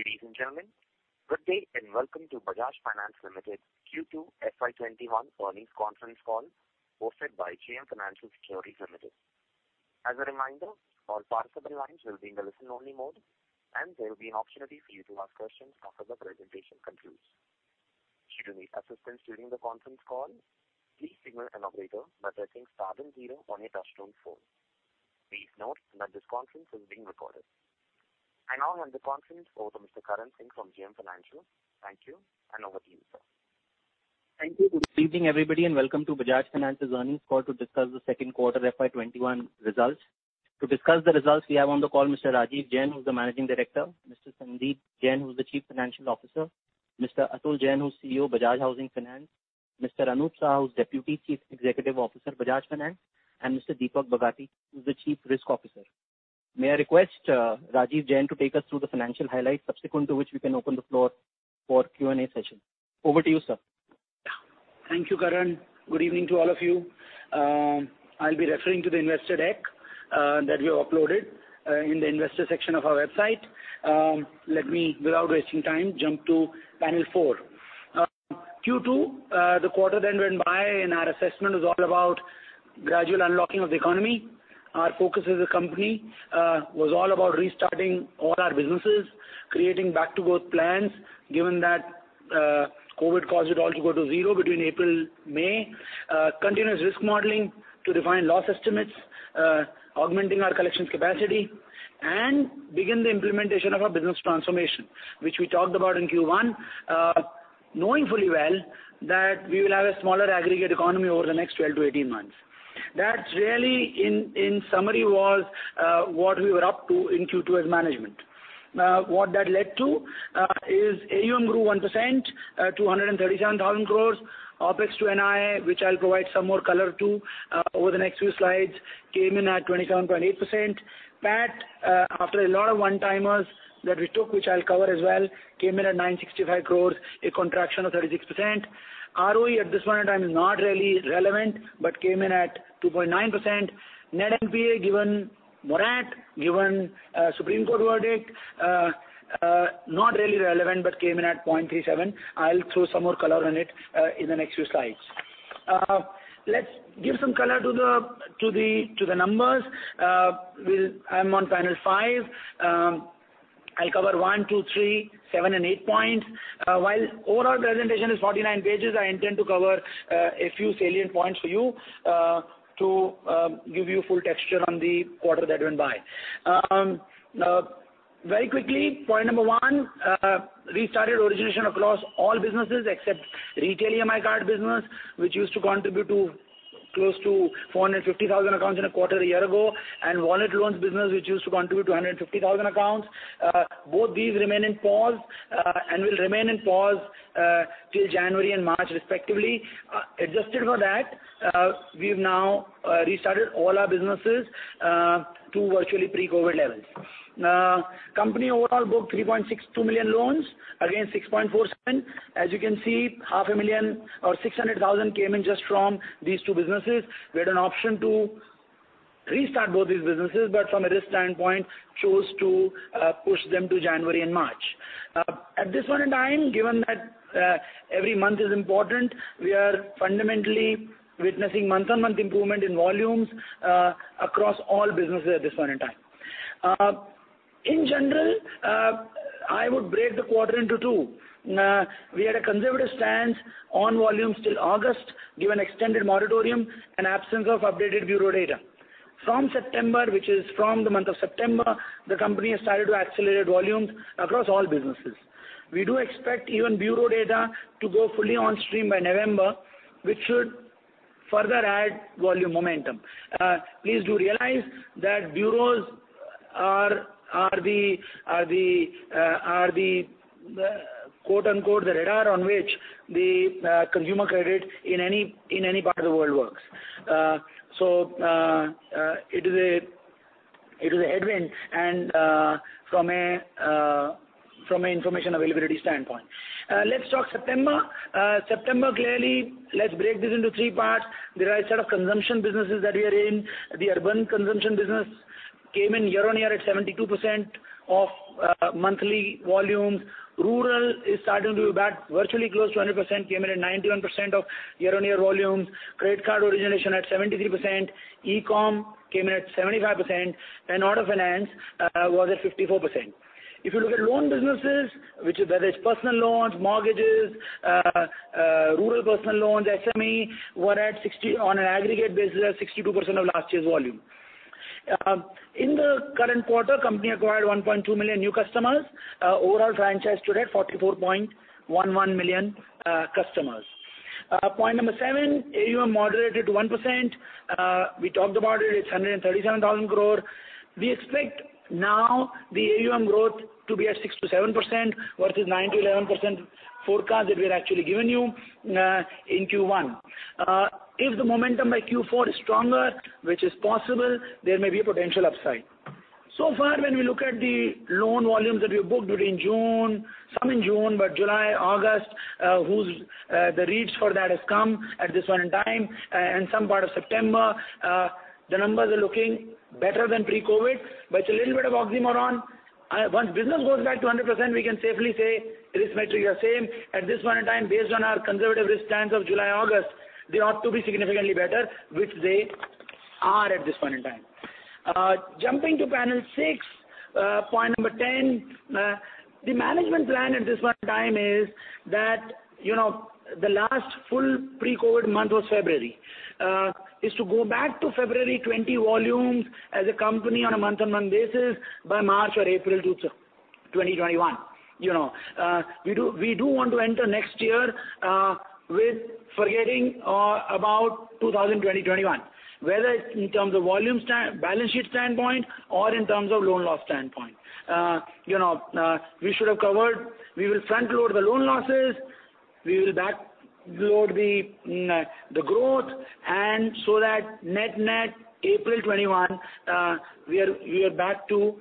Ladies and gentlemen, good day and welcome to Bajaj Finance Limited Q2 FY 2021 Earnings Conference Call hosted by JM Financial Securities Limited. As a reminder, all participant lines will be in the listen only mode, and there will be an opportunity for you to ask questions after the presentation concludes. Should you need assistance during the conference call, please signal an operator by pressing star then zero on your touchtone phone. Please note that this conference is being recorded. I now hand the conference over to Mr. Karan Singh from JM Financial. Thank you, and over to you, Sir. Thank you. Good evening, everybody, and welcome to Bajaj Finance's earnings call to discuss the second quarter FY 2021 results. To discuss the results we have on the call Mr. Rajeev Jain, who's the Managing Director; Mr. Sandeep Jain, who's the Chief Financial Officer; Mr. Atul Jain, who's CEO, Bajaj Housing Finance; Mr. Anup Saha, who's Deputy Chief Executive Officer, Bajaj Finance; and Mr. Deepak Bagati, who's the Chief Risk Officer. May I request Rajeev Jain to take us through the financial highlights, subsequent to which we can open the floor for Q&A session. Over to you, Sir. Thank you, Karan. Good evening to all of you. I'll be referring to the investor deck that we uploaded in the investor section of our website. Let me, without wasting time, jump to panel four. Q2, the quarter then went by and our assessment is all about gradual unlocking of the economy. Our focus as a company was all about restarting all our businesses, creating back to growth plans, given that COVID caused it all to go to zero between April and May. Continuous risk modeling to refine loss estimates, augmenting our collections capacity, and begin the implementation of our business transformation, which we talked about in Q1, knowing fully well that we will have a smaller aggregate economy over the next 12 to 18 months. That really, in summary, was what we were up to in Q2 as management. What that led to is AUM grew 1%, 137,000 crores. OPEX to NII, which I'll provide some more color to over the next few slides, came in at 27.8%. PAT, after a lot of one-timers that we took, which I'll cover as well, came in at 965 crores, a contraction of 36%. ROE at this point in time is not really relevant, came in at 2.9%. Net NPA, given moratorium, given Supreme Court verdict, not really relevant, came in at 0.37%. I'll throw some more color on it in the next few slides. Let's give some color to the numbers. I'm on panel five. I'll cover one, two, three, seven, and eight points. While overall presentation is 49 pages, I intend to cover a few salient points for you to give you full texture on the quarter that went by. Very quickly, point number one, restarted origination across all businesses except retail EMI card business, which used to contribute close to 450,000 accounts in a quarter a year ago, and wallet loans business, which used to contribute 250,000 accounts. Both these remain in pause and will remain in pause till January and March, respectively. Adjusted for that, we've now restarted all our businesses to virtually pre-COVID levels. Company overall booked 3.62 million loans against 6.47 million. You can see, half a million or 600,000 came in just from these two businesses. We had an option to restart both these businesses. From a risk standpoint, chose to push them to January and March. At this point in time, given that every month is important, we are fundamentally witnessing month-on-month improvement in volumes across all businesses at this point in time. In general, I would break the quarter into two. We had a conservative stance on volumes till August, given extended moratorium and absence of updated bureau data. From September, which is from the month of September, the company has started to accelerate volumes across all businesses. We do expect even bureau data to go fully on stream by November, which should further add volume momentum. Please do realize that bureaus are "the radar" on which the consumer credit in any part of the world works. It is a headwind and from an information availability standpoint. Let's talk September. September, clearly, let's break this into three parts. There are a set of consumption businesses that we are in. The urban consumption business came in year-on-year at 72% of monthly volumes. Rural is starting to be back virtually close to 100%, came in at 91% of year-on-year volumes. Credit card origination at 73%, e-com came in at 75%, auto finance was at 54%. If you look at loan businesses, whether it's personal loans, mortgages, rural personal loans, SME, were on an aggregate basis at 62% of last year's volume. In the current quarter, company acquired 1.2 million new customers. Overall franchise stood at 44.11 million customers. Point number seven, AUM moderated to 1%. We talked about it. It's 137,000 crore. We expect now the AUM growth to be at 6%-7%, versus 9%-11% forecast that we had actually given you in Q1. If the momentum by Q4 is stronger, which is possible, there may be a potential upside. So far, when we look at the loan volumes that we have booked between June, some in June, but July, August, the reads for that has come at this point in time, and some part of September, the numbers are looking better than pre-COVID, but it's a little bit of oxymoron. Once business goes back to 100%, we can safely say risk metrics are same. At this point in time, based on our conservative risk stance of July, August, they ought to be significantly better, which they are at this point in time. Jumping to panel six, point number 10. The management plan at this point in time is that the last full pre-COVID month was February, is to go back to February 2020 volumes as a company on a month-on-month basis by March or April 2021. We do want to enter next year with forgetting about 2020, 2021. Whether it's in terms of volume balance sheet standpoint or in terms of loan loss standpoint. We should have covered. We will front-load the loan losses, we will back-load the growth, so that net April 2021, we are back to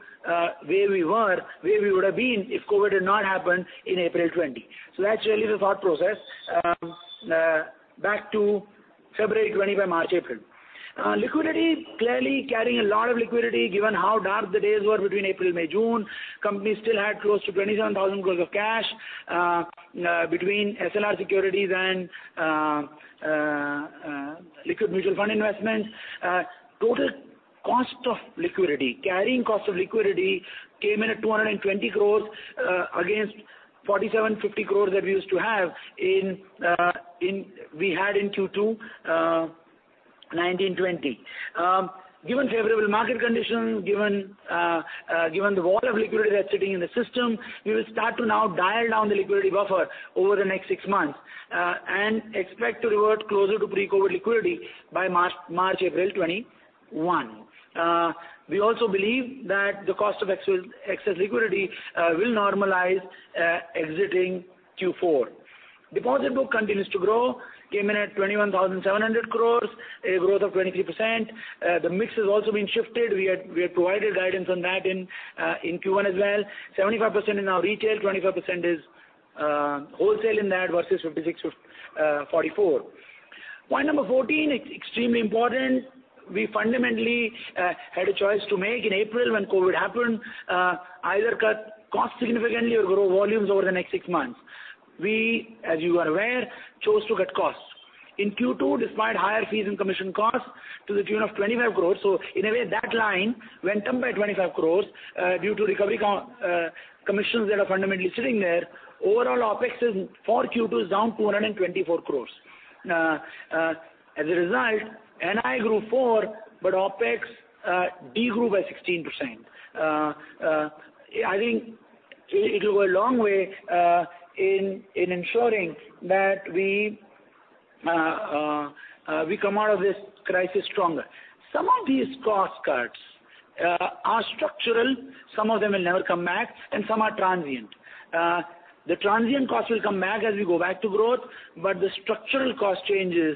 where we were, where we would have been if COVID had not happened in April 2020. That's really the thought process. Back to February 2020 by March, April. Liquidity, clearly carrying a lot of liquidity, given how dark the days were between April, May, June. Company still had close to 27,000 crore of cash between SLR securities and liquid mutual fund investments. Total cost of liquidity, carrying cost of liquidity came in at 220 crore against 4,750 crore that we used to have in, we had in Q2 FY 2019-2020. Given favorable market conditions, given the wall of liquidity that's sitting in the system, we will start to now dial down the liquidity buffer over the next six months, and expect to revert closer to pre-COVID liquidity by March, April 2021. We also believe that the cost of excess liquidity will normalize exiting Q4. Deposit book continues to grow, came in at 21,700 crore, a growth of 23%. The mix has also been shifted. We had provided guidance on that in Q1 as well. 75% is now retail, 25% is wholesale in that, versus 56/44. Point number 14, extremely important. We fundamentally had a choice to make in April when COVID happened, either cut costs significantly or grow volumes over the next six months. We, as you are aware, chose to cut costs. In Q2, despite higher fees and commission costs to the tune of 25 crore. In a way, that line went up by 25 crores due to recovery commissions that are fundamentally sitting there. Overall, OPEX is, for Q2, is down 224 crores. As a result, NII grew 4%, but OPEX de-grew by 16%. I think it will go a long way in ensuring that we come out of this crisis stronger. Some of these cost cuts are structural, some of them will never come back, and some are transient. The transient cost will come back as we go back to growth, but the structural cost changes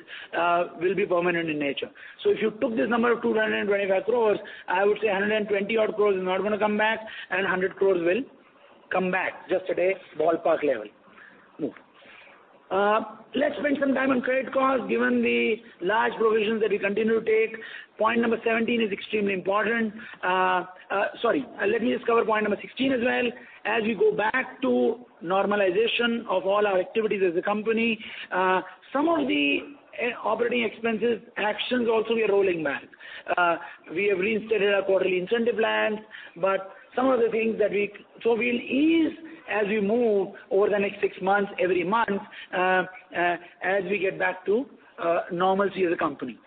will be permanent in nature. If you took this number of 225 crores, I would say 120 odd crores is not going to come back, and 100 crores will come back. Just a ballpark level. Let's spend some time on credit costs, given the large provisions that we continue to take. Point number 17 is extremely important. Sorry, let me just cover point number 16 as well. We go back to normalization of all our activities as a company, some of the operating expenses actions also we are rolling back. We have reinstated our quarterly incentive plan, some of the things that we'll ease as we move over the next six months, every month, as we get back to normalcy as a company.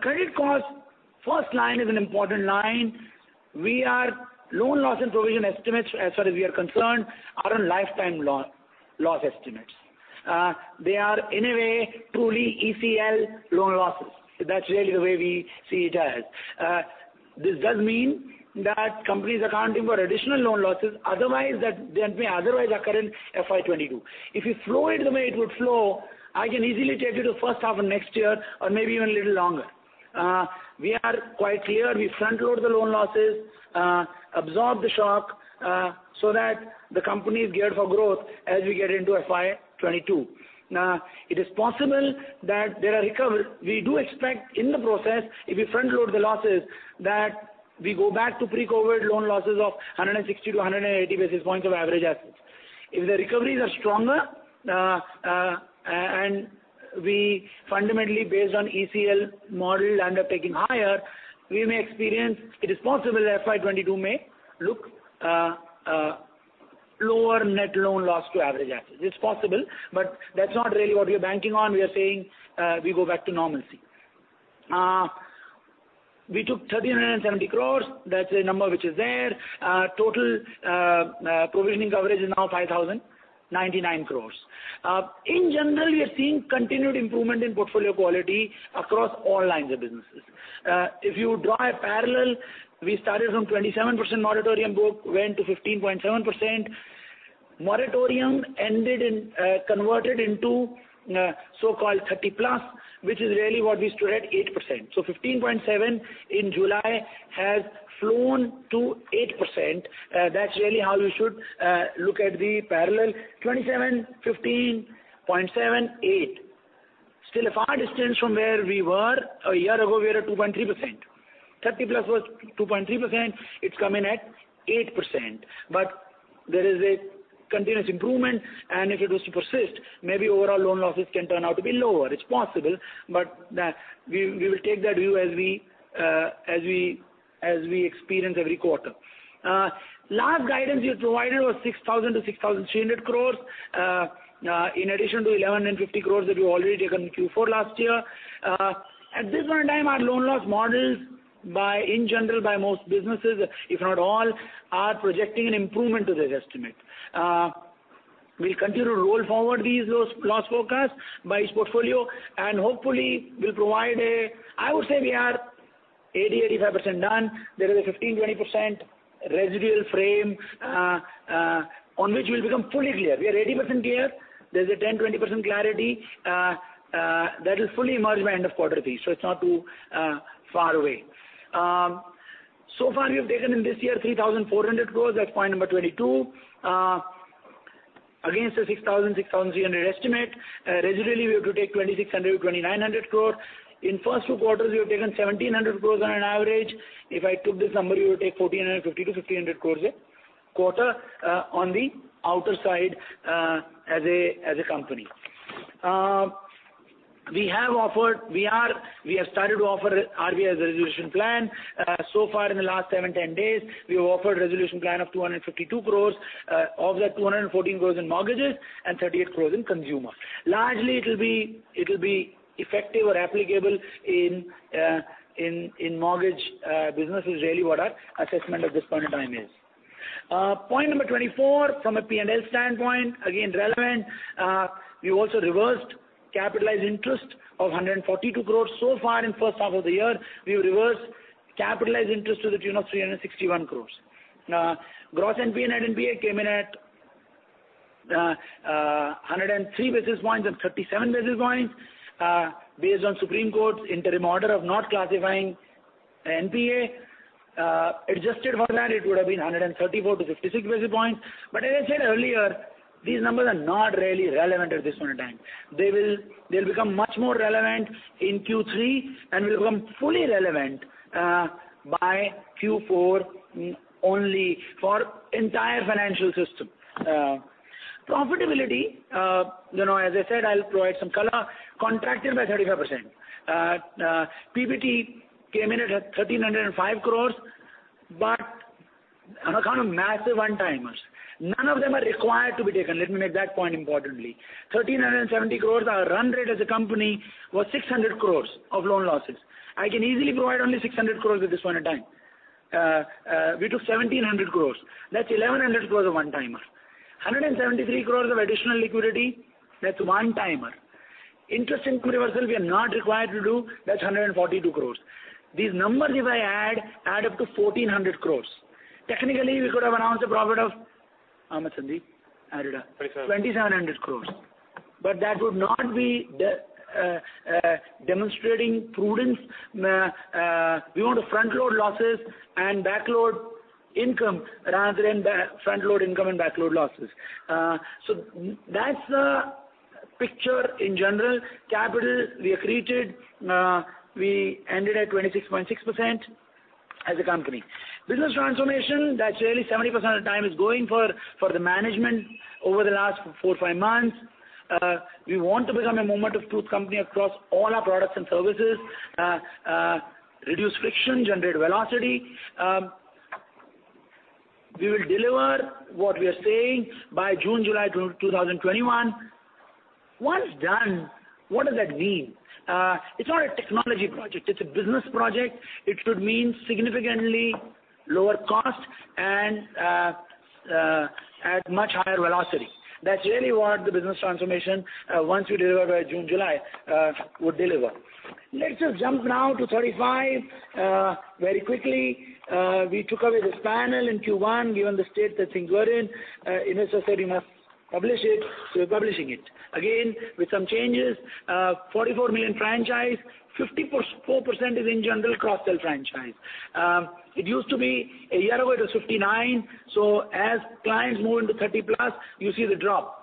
Credit cost, first line is an important line. Loan loss and provision estimates, as far as we are concerned, are on lifetime loss estimates. They are, in a way, truly ECL loan losses. That's really the way we see it as. This does mean that companies are accounting for additional loan losses, otherwise that may otherwise occur in FY 2022. If you flow it the way it would flow, I can easily take you to first half of next year or maybe even a little longer. We are quite clear. We front-load the loan losses, absorb the shock, that the company is geared for growth as we get into FY 2022. It is possible that We do expect in the process, if we front-load the losses, that we go back to pre-COVID loan losses of 160-180 basis points of average assets. If the recoveries are stronger, we fundamentally, based on ECL model undertaking higher, we may experience it is possible that FY 2022 may look lower net loan loss to average assets. It's possible, that's not really what we're banking on. We're saying we go back to normalcy. We took 1,370 crore. That's a number which is there. Total provisioning coverage is now 5,099 crore. In general, we are seeing continued improvement in portfolio quality across all lines of businesses. If you draw a parallel, we started from 27% moratorium book, went to 15.7%. Moratorium converted into so-called 30+, which is really what we stood at 8%. 15.7 in July has flown to 8%. That's really how you should look at the parallel, 27, 15.7, 8. Still a far distance from where we were a year ago. We are at 2.3%. 30+ was 2.3%, it's coming at 8%. But there is a continuous improvement, and if it was to persist, maybe overall loan losses can turn out to be lower. It's possible, but we will take that view as we experience every quarter. Last guidance we had provided was 6,000 crore-6,300 crore, in addition to 1,150 crore that we've already taken in Q4 last year. At this point in time, our loan loss models by, in general, by most businesses, if not all, are projecting an improvement to their estimate. We'll continue to roll forward these loss forecasts by each portfolio and hopefully I would say we are 80%-85% done. There is a 15%-20% residual frame on which we'll become fully clear. We are 80% clear. There's a 10%-20% clarity that will fully emerge by end of quarter three. It's not too far away. So far, we have taken in this year 3,400 crore. That's point number 22. Against the 6,000-6,300 estimate. Residually, we have to take 2,600-2,900 crore. In first two quarters, we have taken 1,700 crore on an average. If I took this number, we would take 1,450-1,500 crore a quarter on the outer side as a company. We have started to offer RBI's resolution plan. So far in the last seven, 10 days, we have offered resolution plan of 252 crores. Of that, 214 crores in mortgages and 38 crores in consumer. Largely it will be effective or applicable in mortgage business is really what our assessment at this point in time is. Point number 24, from a P&L standpoint, again relevant. We also reversed capitalized interest of 142 crores. So far in first half of the year, we've reversed capitalized interest to the tune of 361 crores. Gross NPA, Net NPA came in at 103 basis points and 37 basis points based on Supreme Court's interim order of not classifying NPA. Adjusted for that, it would have been 134 to 56 basis points. As I said earlier, these numbers are not really relevant at this point in time. They'll become much more relevant in Q3 and will become fully relevant by Q4 only for entire financial system. Profitability, as I said, I'll provide some color. Contracted by 35%. PBT came in at 1,305 crores on account of massive one-timers. None of them are required to be taken. Let me make that point importantly. 1,370 crores. Our run rate as a company was 600 crores of loan losses. I can easily provide only 600 crores at this point in time. We took 1,700 crores. That's 1,100 crores of one-timer. 173 crores of additional liquidity, that's one-timer. Interest income reversal, we are not required to do, that's 142 crores. These numbers, if I add up to 1,400 crores. Technically, we could have announced a profit of, how much Sandeep? Add it up. 2,700 crores. INR 2,700 crores. That would not be demonstrating prudence. We want to front-load losses and back-load income rather than front-load income and back-load losses. That's the picture in general. Capital, we accreted. We ended at 26.6% as a company. Business transformation, that really 70% of the time is going for the management over the last four, five months. We want to become a moment of truth company across all our products and services. Reduce friction, generate velocity. We will deliver what we are saying by June, July 2021. Once done, what does that mean? It's not a technology project. It's a business project. It should mean significantly lower cost and at much higher velocity. That's really what the business transformation, once we deliver by June, July, would deliver. Let's just jump now to 35 very quickly. We took away this panel in Q1, given the state that things were in. In essence, we said we must publish it, so we're publishing it. Again, with some changes. 44 million franchises. 54% is in general cross-sell franchise. It used to be, a year ago, it was 59%. As clients move into 30+, you see the drop.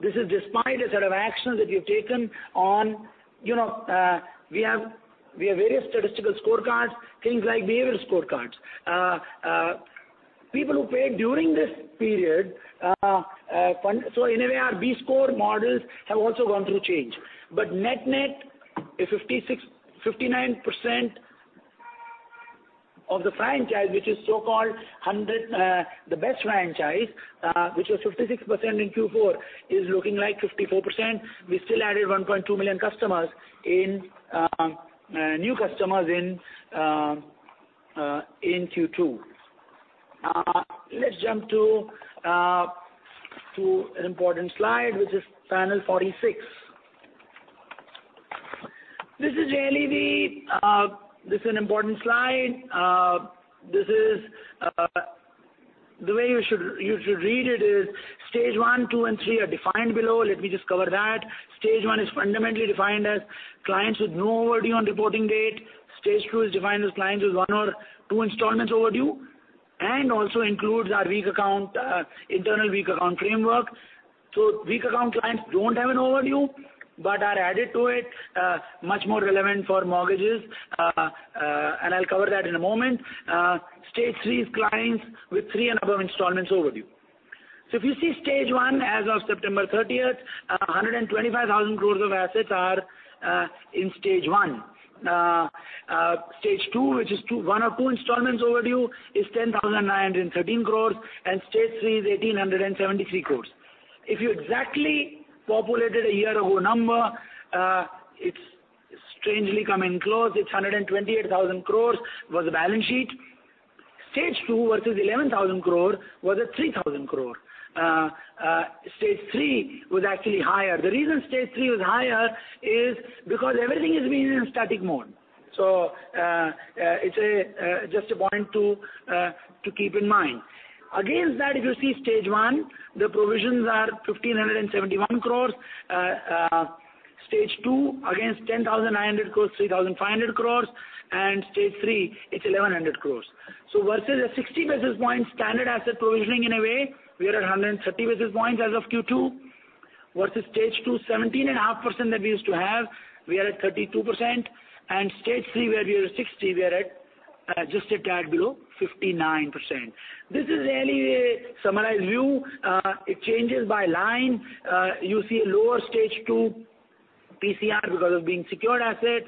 This is despite a set of actions that we've taken on, we have various statistical scorecards, things like behavioral scorecards. People who paid during this period. In a way, our B-score models have also gone through change. Net-net, 59% of the franchise, which is so-called the best franchise, which was 56% in Q4, is looking like 54%. We still added 1.2 million new customers in Q2. Let's jump to an important slide, which is panel 46. This is an important slide. The way you should read it is stage one, two, and three are defined below. Let me just cover that. Stage one is fundamentally defined as clients with no overdue on reporting date. Stage two is defined as clients with one or two installments overdue. Also includes our weak account, internal weak account framework. Weak account clients don't have an overdue, but are added to it, much more relevant for mortgages, and I'll cover that in a moment. Stage three, clients with three and above installments overdue. If you see stage one as of September 30th, 125,000 crores of assets are in stage one. Stage two, which is one or two installments overdue, is 10,913 crores, and stage three is 1,873 crores. If you exactly populated a year ago number, it's strangely coming close. It's 128,000 crores was the balance sheet. Stage two versus 11,000 crore was at 3,000 crore. Stage three was actually higher. The reason Stage three was higher is because everything is being in a static mode. It's just a point to keep in mind. Against that, if you see stage one, the provisions are 1,571 crore. Stage two, against 10,900 crore, 3,500 crore. Stage three, it's 1,100 crore. Versus a 60-basis point standard asset provisioning in a way, we are at 130 basis points as of Q2. Versus stage two, 17.5% that we used to have, we are at 32%. Stage three, where we were 60%, we are at just a tad below 59%. This is really a summarized view. It changes by line. You see a lower stage two PCR because of being secured asset.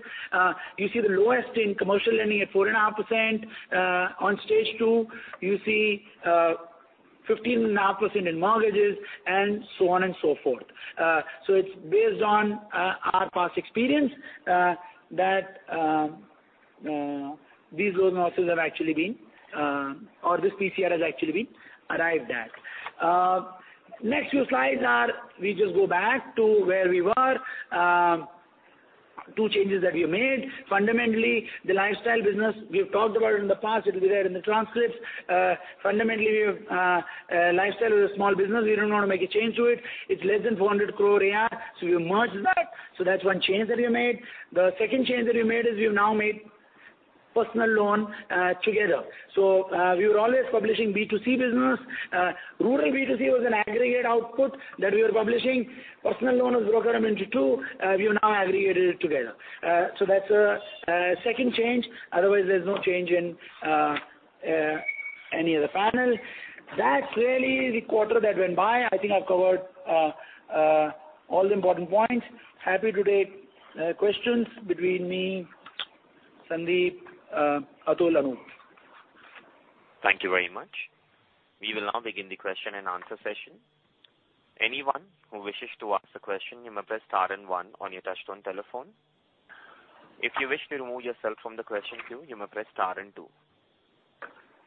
You see the lowest in commercial lending at 4.5% on stage two. You see 15.5% in mortgages, and so on and so forth. It's based on our past experience that this PCR has actually been arrived at. We just go back to where we were. Two changes that we have made. Fundamentally, the lifestyle business, we've talked about it in the past, it'll be there in the transcripts. Fundamentally, lifestyle is a small business. We don't want to make a change to it. It's less than 400 crore a year. We merged that. That's one change that we have made. The second change that we made is we've now made personal loan together. We were always publishing B2C business. Rural B2C was an aggregate output that we were publishing. Personal loan was broken into two. We have now aggregated it together. That's a second change. Otherwise, there's no change in any of the panel. That's really the quarter that went by. I think I've covered all the important points. Happy to take questions between me, Sandeep, Atul, Anup. Thank you very much. We will now begin the question-and-answer session. Anyone who wishes to ask a question, you may press star and one on your touchtone telephone. If you wish to remove yourself from the question queue, you may press star and two.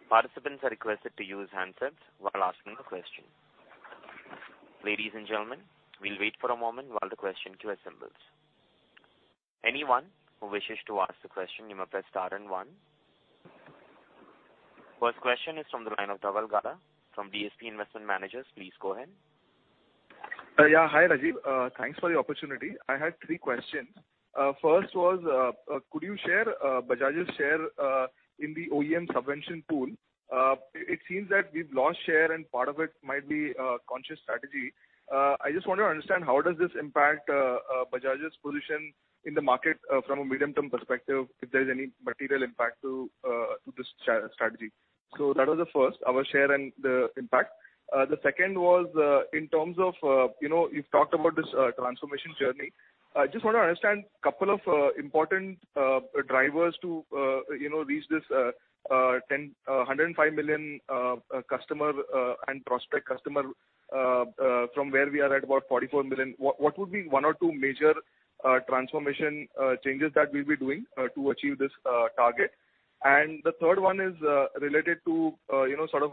Participants are requested to use handsets while asking the question. Ladies and gentlemen, we'll wait for a moment while the question queue assembles. Anyone who wishes to ask the question, you may press star and one. First question is from the line of Dhaval Gada from DSP Investment Managers. Please go ahead. Yeah. Hi, Rajeev. Thanks for the opportunity. I had three questions. First was, could you share Bajaj's share in the OEM subvention pool? It seems that we've lost share and part of it might be a conscious strategy. I just want to understand how does this impact Bajaj's position in the market from a medium-term perspective, if there's any material impact to this strategy? That was the first, our share and the impact. The second was, in terms of, you've talked about this transformation journey. I just want to understand couple of important drivers to reach this 105 million customer and prospect customer, from where we are at about 44 million. What would be one or two major transformation changes that we'll be doing to achieve this target? The third one is related to sort of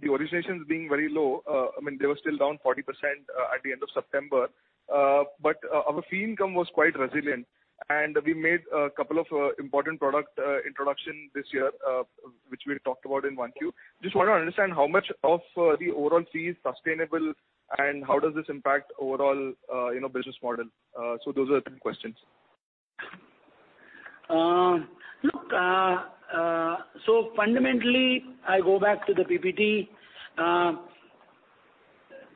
the originations being very low. I mean, they were still down 40% at the end of September. Our fee income was quite resilient. We made a couple of important product introduction this year, which we talked about in 1Q. I just want to understand how much of the overall fee is sustainable. How does this impact overall business model? Those are the three questions. Look, fundamentally, I go back to the PPT.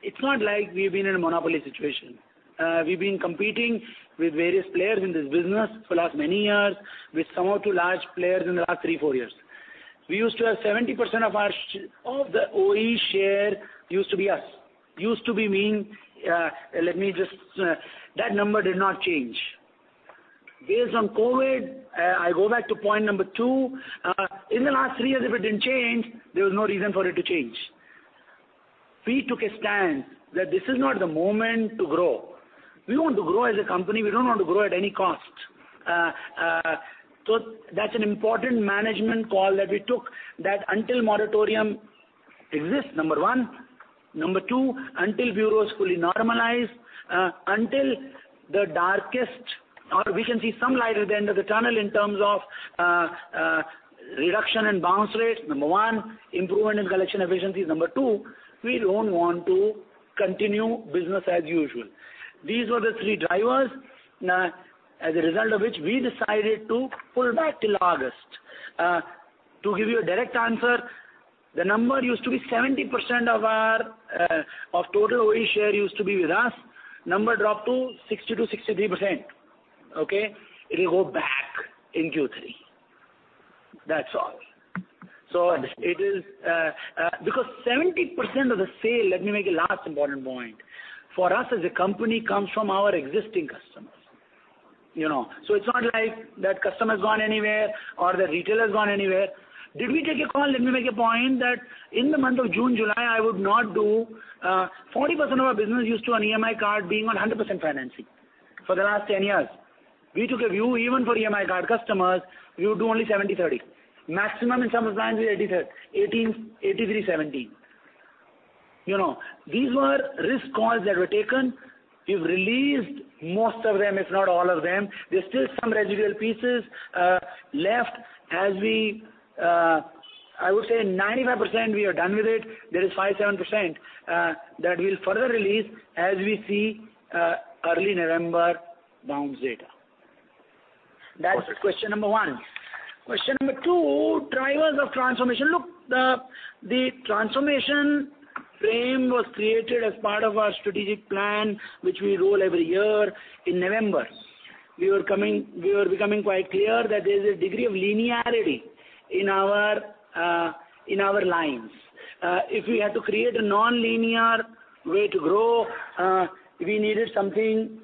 It's not like we've been in a monopoly situation. We've been competing with various players in this business for the last many years, with some or two large players in the last three, four years. We used to have 70% of our OE share used to be us. Used to be, that number did not change. Based on COVID, I go back to point number two. In the last three years, if it didn't change, there was no reason for it to change. We took a stand that this is not the moment to grow. We want to grow as a company. We don't want to grow at any cost. That's an important management call that we took, that until moratorium exists, number one. Number two, until bureaus fully normalize, until the darkest or we can see some light at the end of the tunnel in terms of reduction in bounce rates, number one, improvement in collection efficiencies, number two, we don't want to continue business as usual. These were the three drivers. As a result of which we decided to pull back till August. To give you a direct answer, the number used to be 70% of total OE share used to be with us. Number dropped to 60%-63%. Okay? It will go back in Q3. That's all. 70% of the sale, let me make a last important point, for us as a company comes from our existing customers. It's not like that customer has gone anywhere or the retailer has gone anywhere. Did we take a call? Let me make a point that in the month of June, July, I would not do 40% of our business used to an EMI card being on 100% financing. For the last 10 years. We took a view, even for EMI card customers, we would do only 70/30. Maximum in some plans is 83/17. These were risk calls that were taken. We've released most of them, if not all of them. There're still some residual pieces left. I would say 95% we are done with it. There is 5%, 7%, that we'll further release as we see early November bounce data. That's question number one. Question number two, drivers of transformation. Look, the transformation frame was created as part of our strategic plan, which we roll every year in November. We were becoming quite clear that there is a degree of linearity in our lines. If we had to create a non-linear way to grow, we needed something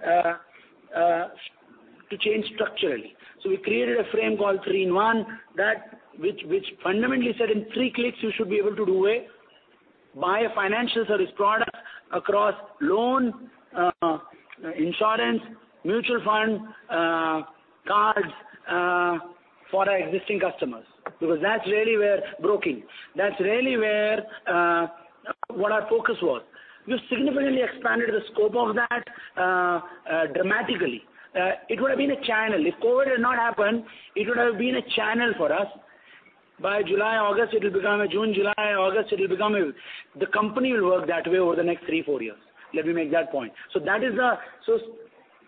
to change structurally. We created a frame called three in one, which fundamentally said in three clicks you should be able to do away, buy a financial service product across loan, insurance, mutual fund, cards for our existing customers. That's really where broking, that's really where what our focus was. We've significantly expanded the scope of that dramatically. It would have been a channel. If COVID had not happened, it would have been a channel for us. June, July, August, the company will work that way over the next three, four years. Let me make that point.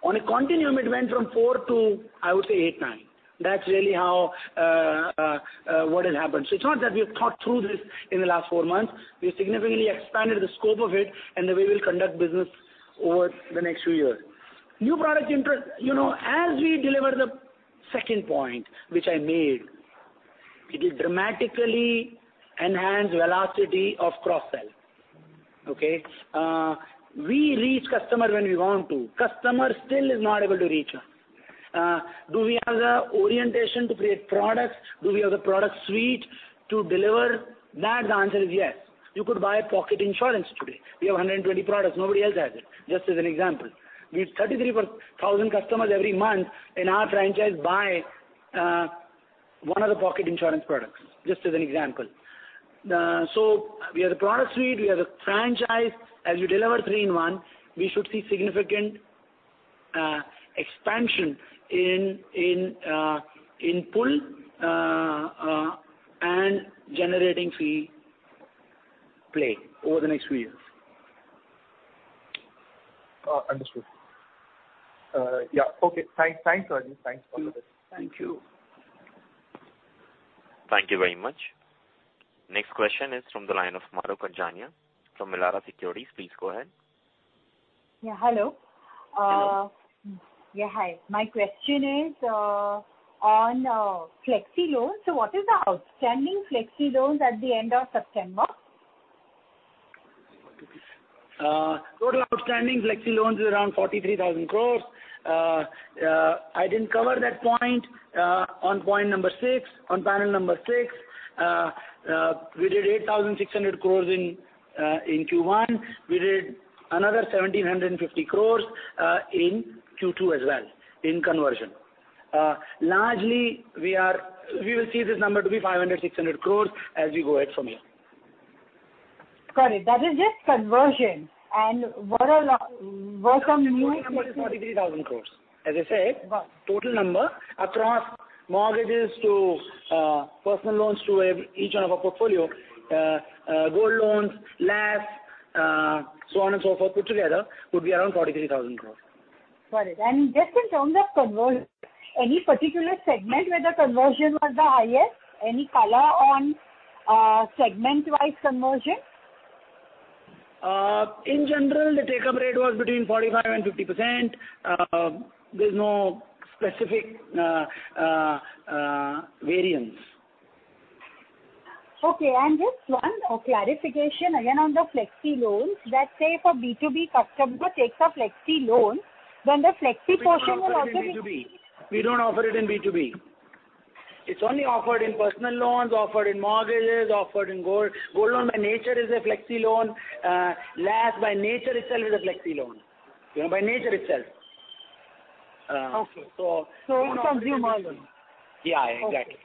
On a continuum, it went from four to, I would say, eight, nine. That's really what has happened. It's not that we have thought through this in the last four months. We significantly expanded the scope of it and the way we'll conduct business over the next few years. New product interest. As we deliver the second point which I made, it will dramatically enhance velocity of cross-sell. Okay? We reach customer when we want to. Customer still is not able to reach us. Do we have the orientation to create products? Do we have the product suite to deliver that? The answer is yes. You could buy a Pocket Insurance today. We have 120 products. Nobody else has it, just as an example. We have 33,000 customers every month in our franchise buy one of the Pocket Insurance products, just as an example. We have the product suite, we have the franchise. As you deliver three in one, we should see significant expansion in pull and generating fee play over the next few years. Understood. Yeah. Okay. Thanks, [Arjun]. Thanks for this. Thank you. Thank you very much. Next question is from the line of Mahrukh Adajania from Elara Securities. Please go ahead. Yeah. Hello. Hello. Yeah. Hi. My question is on flexi loans. What is the outstanding flexi loans at the end of September? Total outstanding flexi loans is around 43,000 crore. I didn't cover that point-on-point number six, on panel number six. We did 8,600 crore in Q1. We did another 1,750 crore in Q2 as well in conversion. Largely, we will see this number to be 500 crores-600 crores as we go ahead from here. Got it. That is just conversion. Total number is 43,000 crores. As I said, total number across mortgages to personal loans to each one of our portfolios, gold loans, LAS, so on and so forth, put together would be around 43,000 crores. Got it. Just in terms of conversion, any particular segment where the conversion was the highest? Any color on segment-wise conversion? In general, the take-up rate was between 45% and 50%. There's no specific variance. Okay. Just one clarification again on the flexi loans, that, say, if a B2B customer takes a flexi loan, then the flexi portion will also be- We don't offer it in B2B. It's only offered in personal loans, offered in mortgages, offered in gold. Gold loan by nature is a flexi loan. LAS by nature itself is a flexi loan. By nature, itself. Okay. So- It's a consumer loan. Yeah, exactly.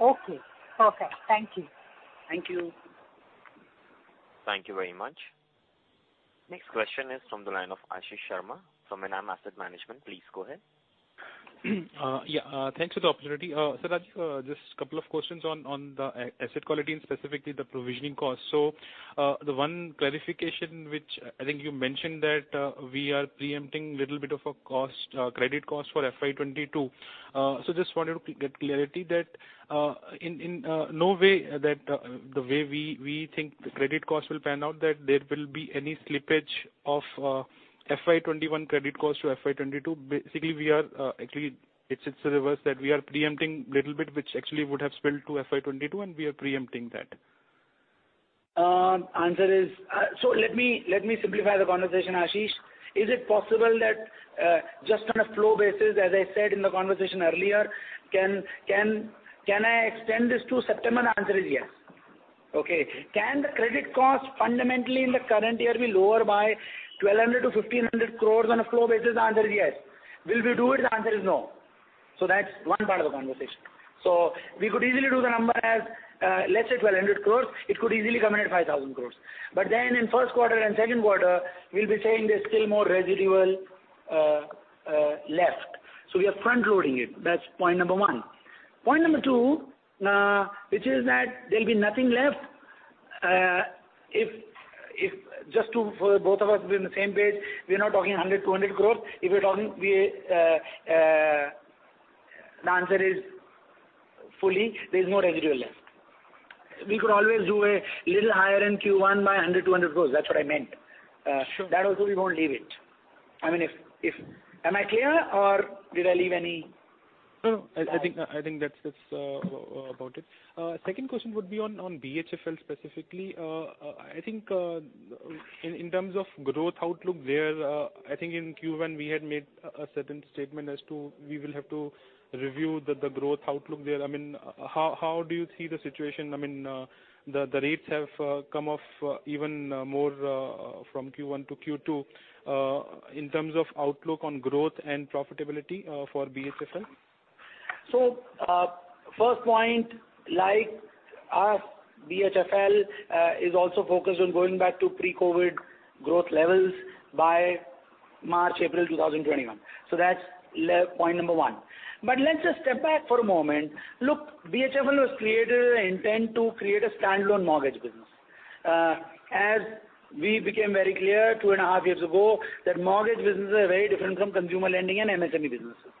Okay. Perfect. Thank you. Thank you. Thank you very much. Next question is from the line of Ashish Sharma from Enam Asset Management. Please go ahead. Thanks for the opportunity. Sir Rajeev, just a couple of questions on the asset quality and specifically the provisioning cost. The one clarification, which I think you mentioned that we are preempting little bit of a credit cost for FY 2022. Just wanted to get clarity that in no way that the way we think the credit cost will pan out, that there will be any slippage of FY 2021 credit cost to FY 2022. Basically, it's the reverse, that we are preempting little bit, which actually would have spilt to FY 2022, and we are preempting that. Answer is, let me simplify the conversation, Ashish. Is it possible that just on a flow basis, as I said in the conversation earlier, can I extend this to September? The answer is yes. Okay. Can the credit cost fundamentally in the current year be lower by 1,200 crore-1,500 crore on a flow basis? The answer is yes. Will we do it? The answer is no. That's one part of the conversation. We could easily do the number as, let's say, 1,200 crore. It could easily come in at 5,000 crore. In first quarter and second quarter, we'll be saying there's still more residual left. We are front-loading it. That's point one. Point two, which is that there'll be nothing left. Just to, for both of us be on the same page, we are not talking 100 crore, 200 crore. If we're talking, the answer is fully, there's no residual left. We could always do a little higher in Q1 by 100 crores, 200 crores. That's what I meant. Sure. That also we won't leave it. Am I clear or did I leave? No. I think that's about it. Second question would be on BHFL specifically. I think in terms of growth outlook there, I think in Q1, we had made a certain statement as to we will have to review the growth outlook there. How do you see the situation? The rates have come off even more from Q1 to Q2 in terms of outlook on growth and profitability for BHFL. First point, like us, BHFL is also focused on going back to pre-COVID growth levels by March, April 2021. That's point number one. Let's just step back for a moment. Look, BHFL was created intent to create a standalone mortgage business. As we became very clear 2.5 years ago, that mortgage businesses are very different from consumer lending and MSME businesses.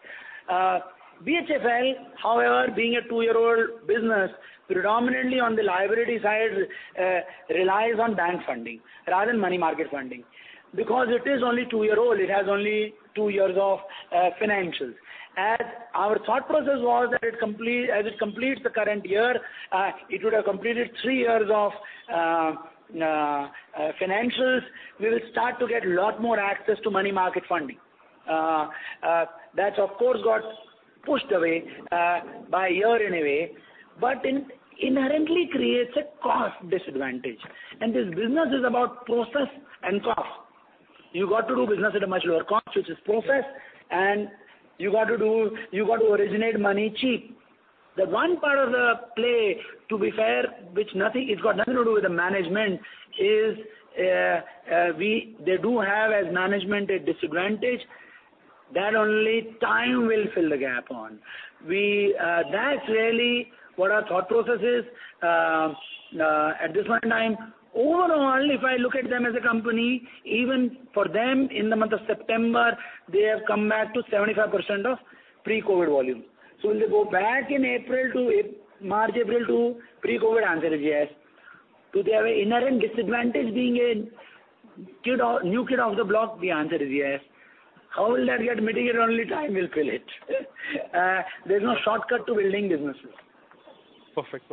BHFL, however, being a two-year-old business, predominantly on the liability side relies on bank funding rather than money market funding. Because it is only two-year-old, it has only two years of financials. As our thought process was, as it completes the current year, it would have completed three years of financials. We will start to get a lot more access to money market funding. That of course, got pushed away by a year anyway, but inherently creates a cost disadvantage. This business is about process and cost. You got to do business at a much lower cost, which is process, and you got to originate money cheap. The one part of the play, to be fair, it's got nothing to do with the management is, they do have, as management, a disadvantage that only time will fill the gap on. That's really what our thought process is. At this point in time, overall, if I look at them as a company, even for them, in the month of September, they have come back to 75% of pre-COVID volumes. Will they go back in March, April to pre-COVID? Answer is yes. Do they have an inherent disadvantage being a new kid off the block? The answer is yes. How will that get mitigated? Only time will kill it. There's no shortcut to building businesses. Perfect.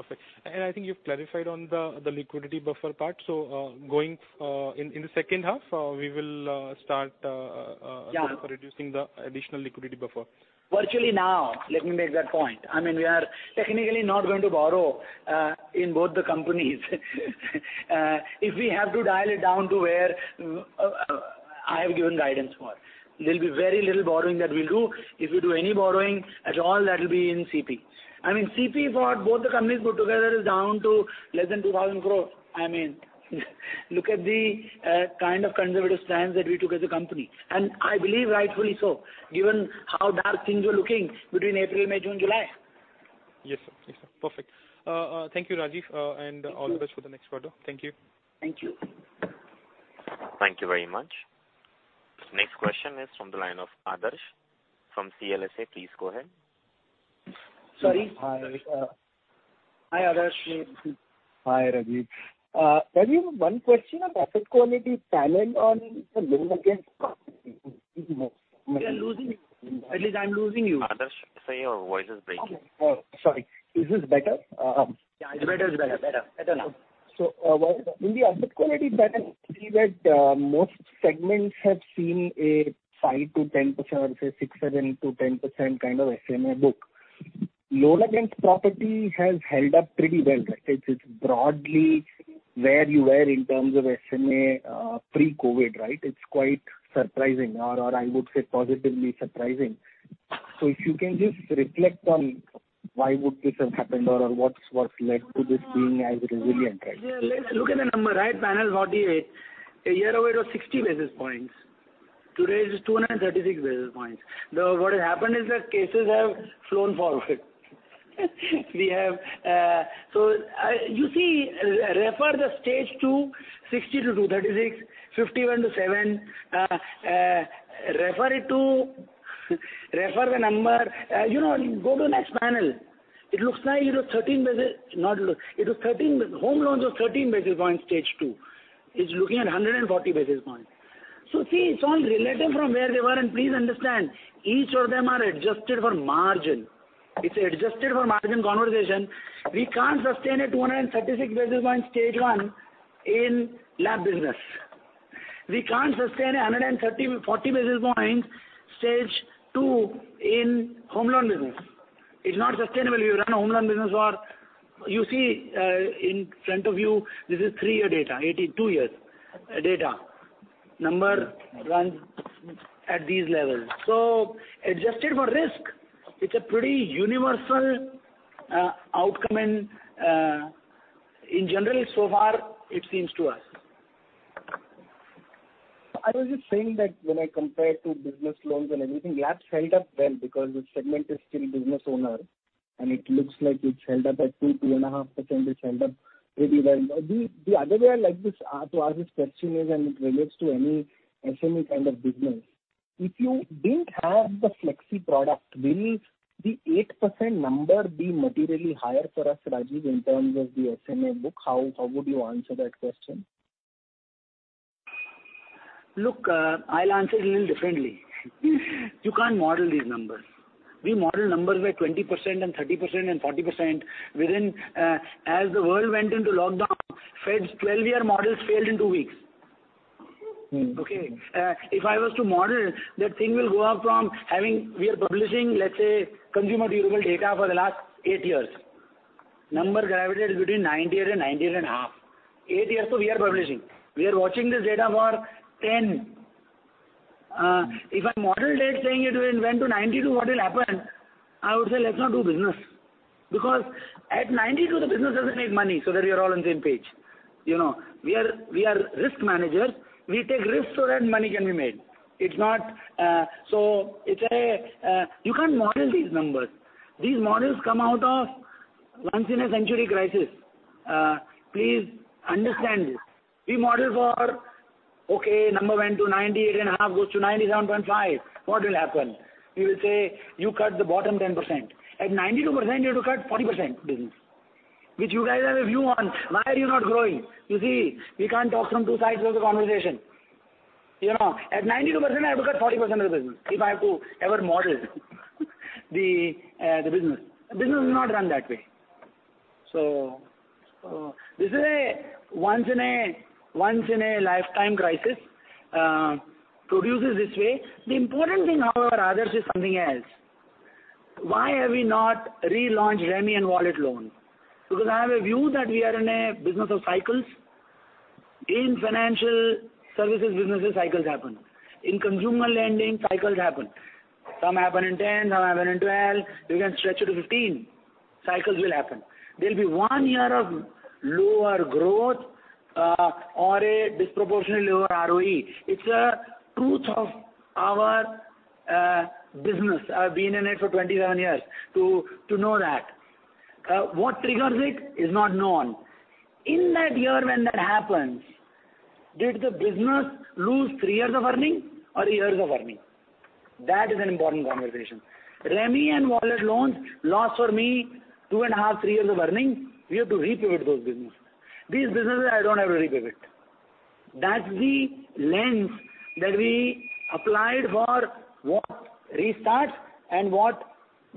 I think you've clarified on the liquidity buffer part. Going in the second half we will start- Yeah. Reducing the additional liquidity buffer. Virtually now. Let me make that point. We are technically not going to borrow in both the companies. If we have to dial it down to where I have given guidance for, there'll be very little borrowing that we'll do. If we do any borrowing at all, that'll be in CP. CP for both the companies put together is down to less than 2,000 crores. Look at the kind of conservative stance that we took as a company, and I believe rightfully so, given how dark things were looking between April, May, June, July. Yes, Sir. Perfect. Thank you, Rajeev and all the best for the next quarter. Thank you. Thank you. Thank you very much. Next question is from the line of Adarsh from CLSA. Please go ahead. Sorry. Hi, Adarsh. Hi, Rajeev. Rajeev, one question on asset quality panel on the loan against We are losing you. At least I'm losing you. Adarsh, say your voice is breaking. Okay. Sorry. Is this better? Yeah, this is better. Better. Better now. In the asset quality panel, we see that most segments have seen a 5%-10% or say 6%-10% kind of SMA book. Loan Against Property has held up pretty well. It's broadly where you were in terms of SMA pre-COVID, right? It's quite surprising, or I would say positively surprising. If you can just reflect on why would this have happened? What's led to this being as resilient as this? Look at the number. Panel 48. A year over, it was 60 basis points. Today, it is 236 basis points. What has happened is that cases have flown forward. You see, refer the stage two, 60 to 236, 51 to seven. Refer the number. Go to the next panel. home loans was 13 basis points, stage two. It's looking at 140 basis points. See, it's all relative from where they were, please understand, each of them are adjusted for margin. It's adjusted for margin conversation. We can't sustain a 236-basis point stage one in LAP business. We can't sustain 140 basis points stage two in home loan business. It's not sustainable. You run a home loan business, or you see in front of you, this is three-year data, two years data. Number runs at these levels. Adjusted for risk, it's a pretty universal outcome in general so far it seems to us. I was just saying that when I compared to business loans and everything, LAP held up well because this segment is still business owner, and it looks like it held up at 2.0%, 2.5%. It held up really well. The other way I like to ask this question is, and it relates to any SME kind of business. If you didn't have the flexi product, will the 8% number be materially higher for us, Rajeev, in terms of the SME book? How would you answer that question? Look, I'll answer it a little differently. You can't model these numbers. We model numbers where 20% and 30% and 40% within. As the world went into lockdown, Fed's 12-year models failed in two weeks. Okay. If I was to model, that thing will go up from having, we are publishing, let's say, consumer durable data for the last eight years. Number gravitated between 90 and 90.5. Eight years we are publishing. We are watching this data for 10. If I modeled it saying it will went to 92, what will happen? I would say let's not do business, because at 92, the business doesn't make money, so that we are all on the same page. We are risk managers. We take risks so that money can be made. You can't model these numbers. These models come out of once in a century crisis. Please understand this. We model for, okay, number went to 98.5, goes to 97.5. What will happen? We will say you cut the bottom 10%. At 92%, you have to cut 40% business. Which you guys have a view on. Why are you not growing? You see, we can't talk from two sides of the conversation. At 92%, I have to cut 40% of the business if I have to ever model the business. Business is not run that way. This is a once in a lifetime crisis, produces this way. The important thing, however, Adarsh, is something else. Why have we not relaunched retail EMI and wallet loan? I have a view that we are in a business of cycles. In financial services businesses, cycles happen. In consumer lending, cycles happen. Some happen in 10, some happen in 12. You can stretch it to 15. Cycles will happen. There'll be one year of lower growth or a disproportionately lower ROE. It's a truth of our business. I've been in it for 27 years to know that. What triggers it is not known. In that year when that happens, did the business lose three years of earning or a year of earning? That is an important conversation. retail EMI and wallet loans lost for me 2.5, three years of earning. We have to repivot those businesses. These businesses, I don't have to repivot. That's the lens that we applied for what restarts and what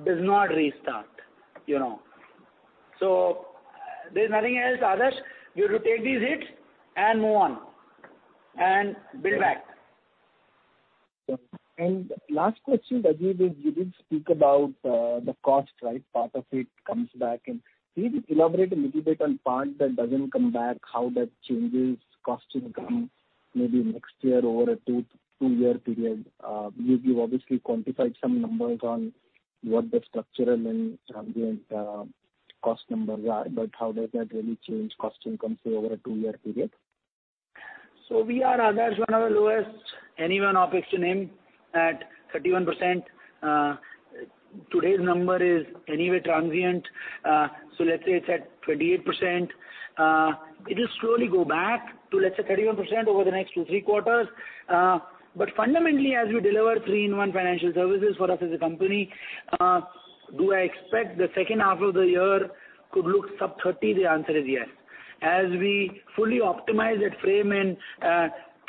does not restart. There's nothing else, Adarsh. You have to take these hits and move on and build back. Last question, Rajeev, is you did speak about the cost. Part of it comes back and can you elaborate a little bit on part that doesn't come back, how that changes cost income maybe next year over a two-year period? You've obviously quantified some numbers on what the structural and transient cost numbers are, but how does that really change cost income say over a two-year period? We are, Adarsh, one of the lowest, anyone OPEX to NII, at 31%. Today's number is anyway transient, so let's say it's at 28%. It'll slowly go back to, let's say, 31% over the next two, three quarters. Fundamentally, as we deliver three in one financial services for us as a company, do I expect the second half of the year could look sub 30%? The answer is yes. As we fully optimize that frame in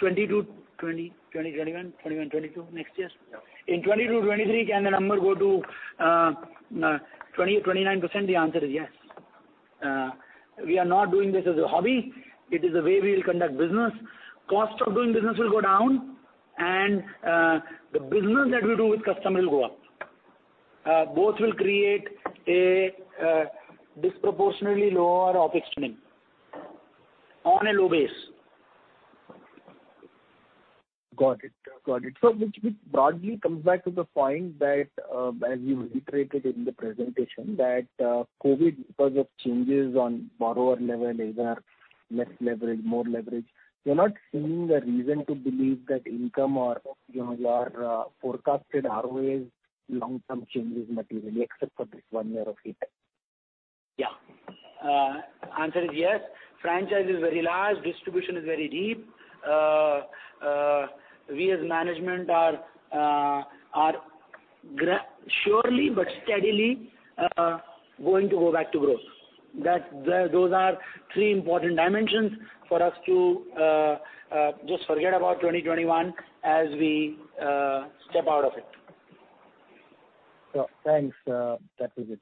2020-2021, 2021, 2022, next years. In 2020-2023, can the number go to 29%? The answer is yes. We are not doing this as a hobby. It is a way we will conduct business. Cost of doing business will go down and the business that we do with customer will go up. Both will create a disproportionately lower OPEX to NII on a low base. Got it. Which broadly comes back to the point that as you reiterated in the presentation, that COVID, because of changes on borrower level, either less leverage, more leverage, you're not seeing a reason to believe that income or your forecasted ROEs long-term change materially except for this one year of hit back. Yeah. Answer is yes. Franchise is very large, distribution is very deep. We as management are surely but steadily going to go back to growth. Those are three important dimensions for us to just forget about 2021 as we step out of it. Thanks. That was it.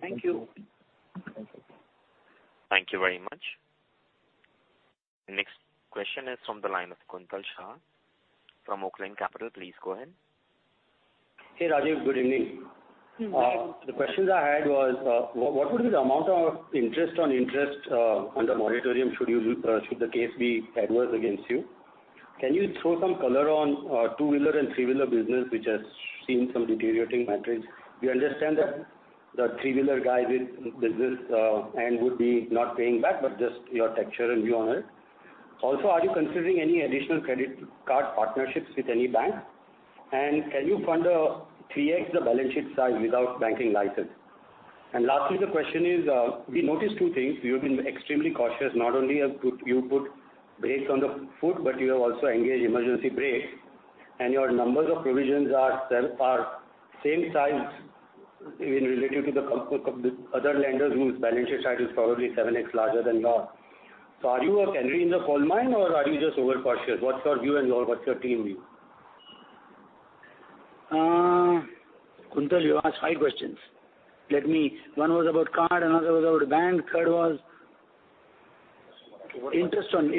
Thank you. Thank you. Thank you very much. Next question is from the line of Kuntal Shah from Oaklane Capital. Please go ahead. Hey, Rajeev. Good evening. Good evening. The questions I had was, what would be the amount of interest on interest under moratorium should the case be adverse against you? Can you throw some color on two-wheeler and three-wheeler business, which has seen some deteriorating metrics? We understand that the three-wheeler guys with business would be not paying back, but just your texture and view on it. Also, are you considering any additional credit card partnerships with any bank? Can you fund 3x the balance sheet size without banking license? Lastly, the question is, we noticed two things. You've been extremely cautious. Not only have you put brakes on the foot, but you have also engaged emergency brakes, and your numbers of provisions are same size even relative to the other lenders whose balance sheet size is probably 7x larger than yours. Are you a canary in the coal mine or are you just overcautious? What's your view and what's your team view? Kuntal, you asked five questions. One was about card, another was about bank, third was? Interest on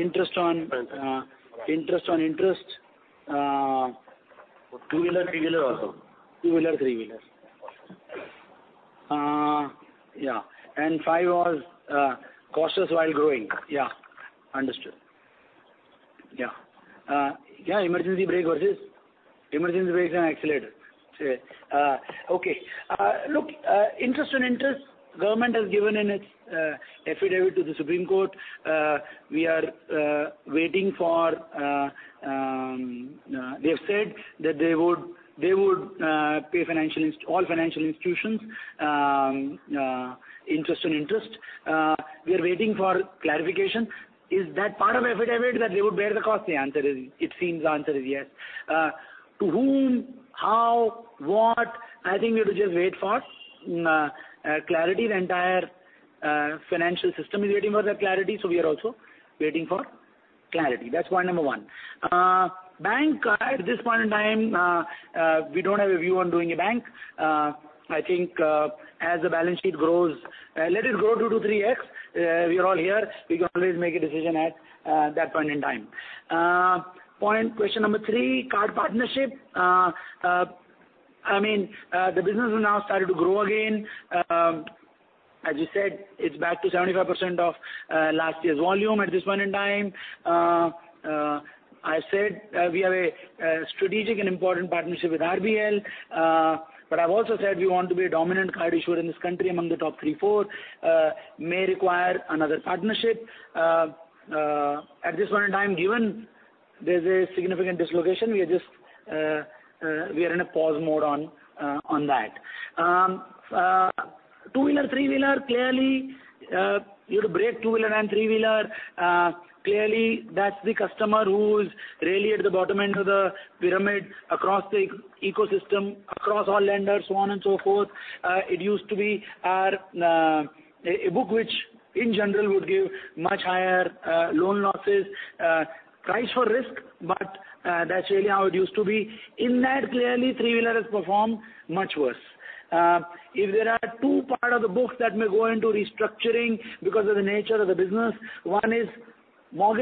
interest. Two-wheeler, three-wheeler also. Two-wheeler, three-wheeler. five was cautious while growing. Yeah, understood. Yeah, emergency brake versus? Emergency brakes and accelerator. Okay. Look, interest on interest, government has given an affidavit to the Supreme Court. They have said that they would pay all financial institutions interest on interest. We are waiting for clarification. Is that part of affidavit that they would bear the cost? It seems the answer is yes. To whom? How? What? I think we have to just wait for clarity. The entire financial system is waiting for that clarity, so we are also waiting for clarity. That's point number one. Bank, at this point in time, we don't have a view on doing a bank. I think as the balance sheet grows; let it grow 2x to 3x. We are all here. We can always make a decision at that point in time. Question number three, card partnership. The business has now started to grow again. As you said, it's back to 75% of last year's volume at this point in time. I said we have a strategic and important partnership with RBL. I've also said we want to be a dominant card issuer in this country among the top three, four. May require another partnership. At this point in time, given there's a significant dislocation, we are in a pause mode on that. Two-wheeler, three-wheeler, clearly, you have to break two-wheeler and three-wheeler. Clearly, that's the customer who's really at the bottom end of the pyramid across the ecosystem, across all lenders, so on and so forth. It used to be a book which in general would give much higher loan losses, price for risk, but that's really how it used to be. In that, clearly, three-wheeler has performed much worse. If there are two parts of the book that may go into restructuring because of the nature of the business, one is lot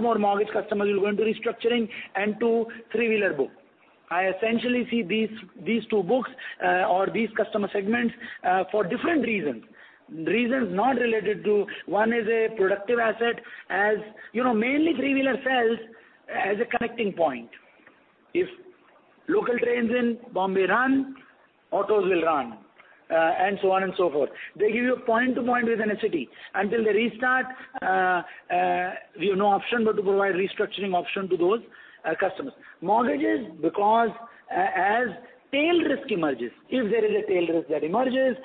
more mortgage customers will go into restructuring, and two, three-wheeler book. I essentially see these two books or these customer segments for different reasons. Reasons not related to, one is a productive asset. As you know, mainly three-wheeler sells as a connecting point. If local trains in Bombay run, autos will run, and so on and so forth. They give you a point to point within a city. Until they restart, we have no option but to provide restructuring option to those customers. Mortgages because as tail risk emerges. If there is a tail risk that emerges,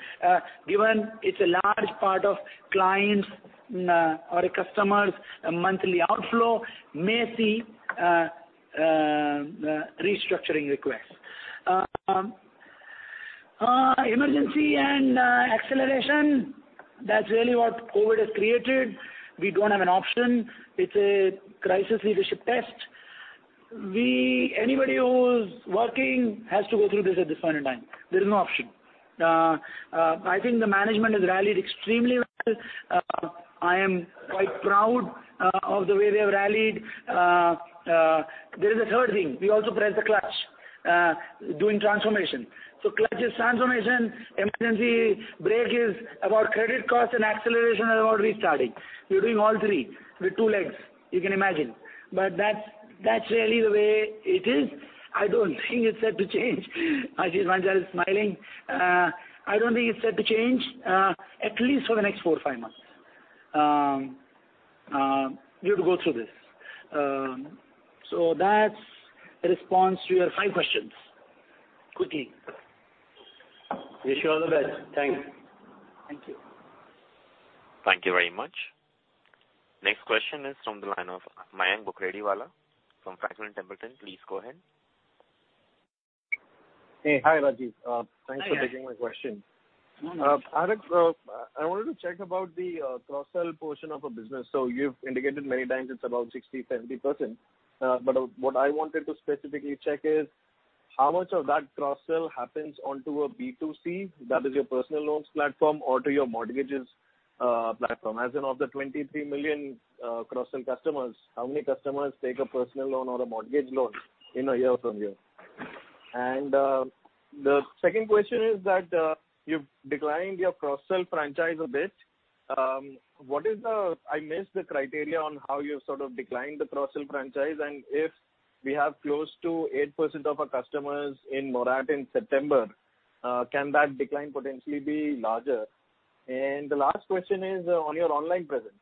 given it's a large part of clients or a customer's monthly outflow, may see restructuring requests. Emergency and acceleration, that's really what COVID has created. We don't have an option. It's a crisis leadership test. Anybody who's working has to go through this at this point in time. There is no option. I think the management has rallied extremely well. I am quite proud of the way we have rallied. There is a third thing. We also press the clutch, doing transformation. Clutch is transformation, emergency brake is about credit cost and acceleration is about restarting. You're doing all three with two legs, you can imagine. That's really the way it is. I don't think it's set to change. Ajit Vanchal is smiling. I don't think it's set to change, at least for the next four or five months. We have to go through this. That's a response to your five questions. Quickly. Wish you all the best. Thank you. Thank you. Thank you very much. Next question is from the line of Mayank Bukrediwala from Franklin Templeton. Please go ahead. Hey. Hi, Rajeev. Hi, Mayank. Thanks for taking my question. I wanted to check about the cross-sell portion of a business. You've indicated many times it's about 60%, 70%. What I wanted to specifically check is how much of that cross-sell happens onto a B2C, that is your personal loans platform, or to your mortgages platform. As in of the 23 million cross-sell customers, how many customers take a personal loan or a mortgage loan in a year from you? The second question is that you've declined your cross-sell franchise a bit. I missed the criteria on how you sort of declined the cross-sell franchise, and if we have close to 8% of our customers in moratorium in September, can that decline potentially be larger? The last question is on your online presence.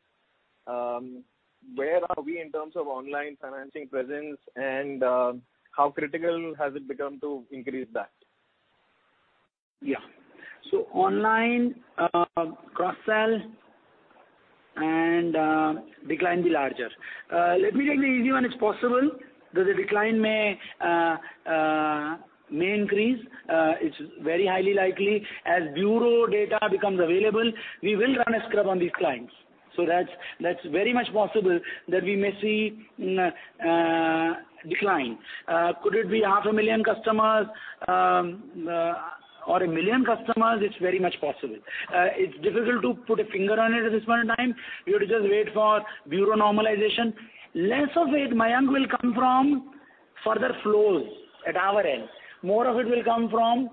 Where are we in terms of online financing presence and how critical has it become to increase that? Yeah. online cross-sell and decline be larger. Let me take the easy one. It's possible that the decline may increase. It's very highly likely. As bureau data becomes available, we will run a scrub on these clients. That's very much possible that we may see decline. Could it be 500,000 customers or a million customers? It's very much possible. It's difficult to put a finger on it at this point in time. We have to just wait for bureau normalization. Less of it, Mayank, will come from further flows at our end. More of it will come from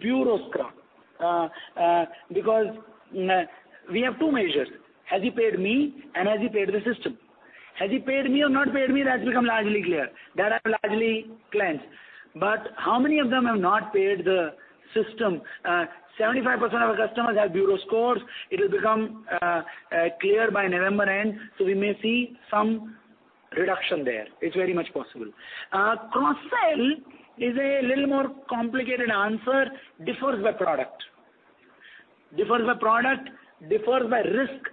bureau scrub because we have two measures. Has he paid me and has he paid the system? Has he paid me or not paid me, that's become largely clear. That I've largely cleansed. How many of them have not paid the system? 75% of our customers have bureau scores. It will become clear by November end. We may see some reduction there. It's very much possible. Cross-sell is a little more complicated answer. Differs by product. Differs by product, differs by risk,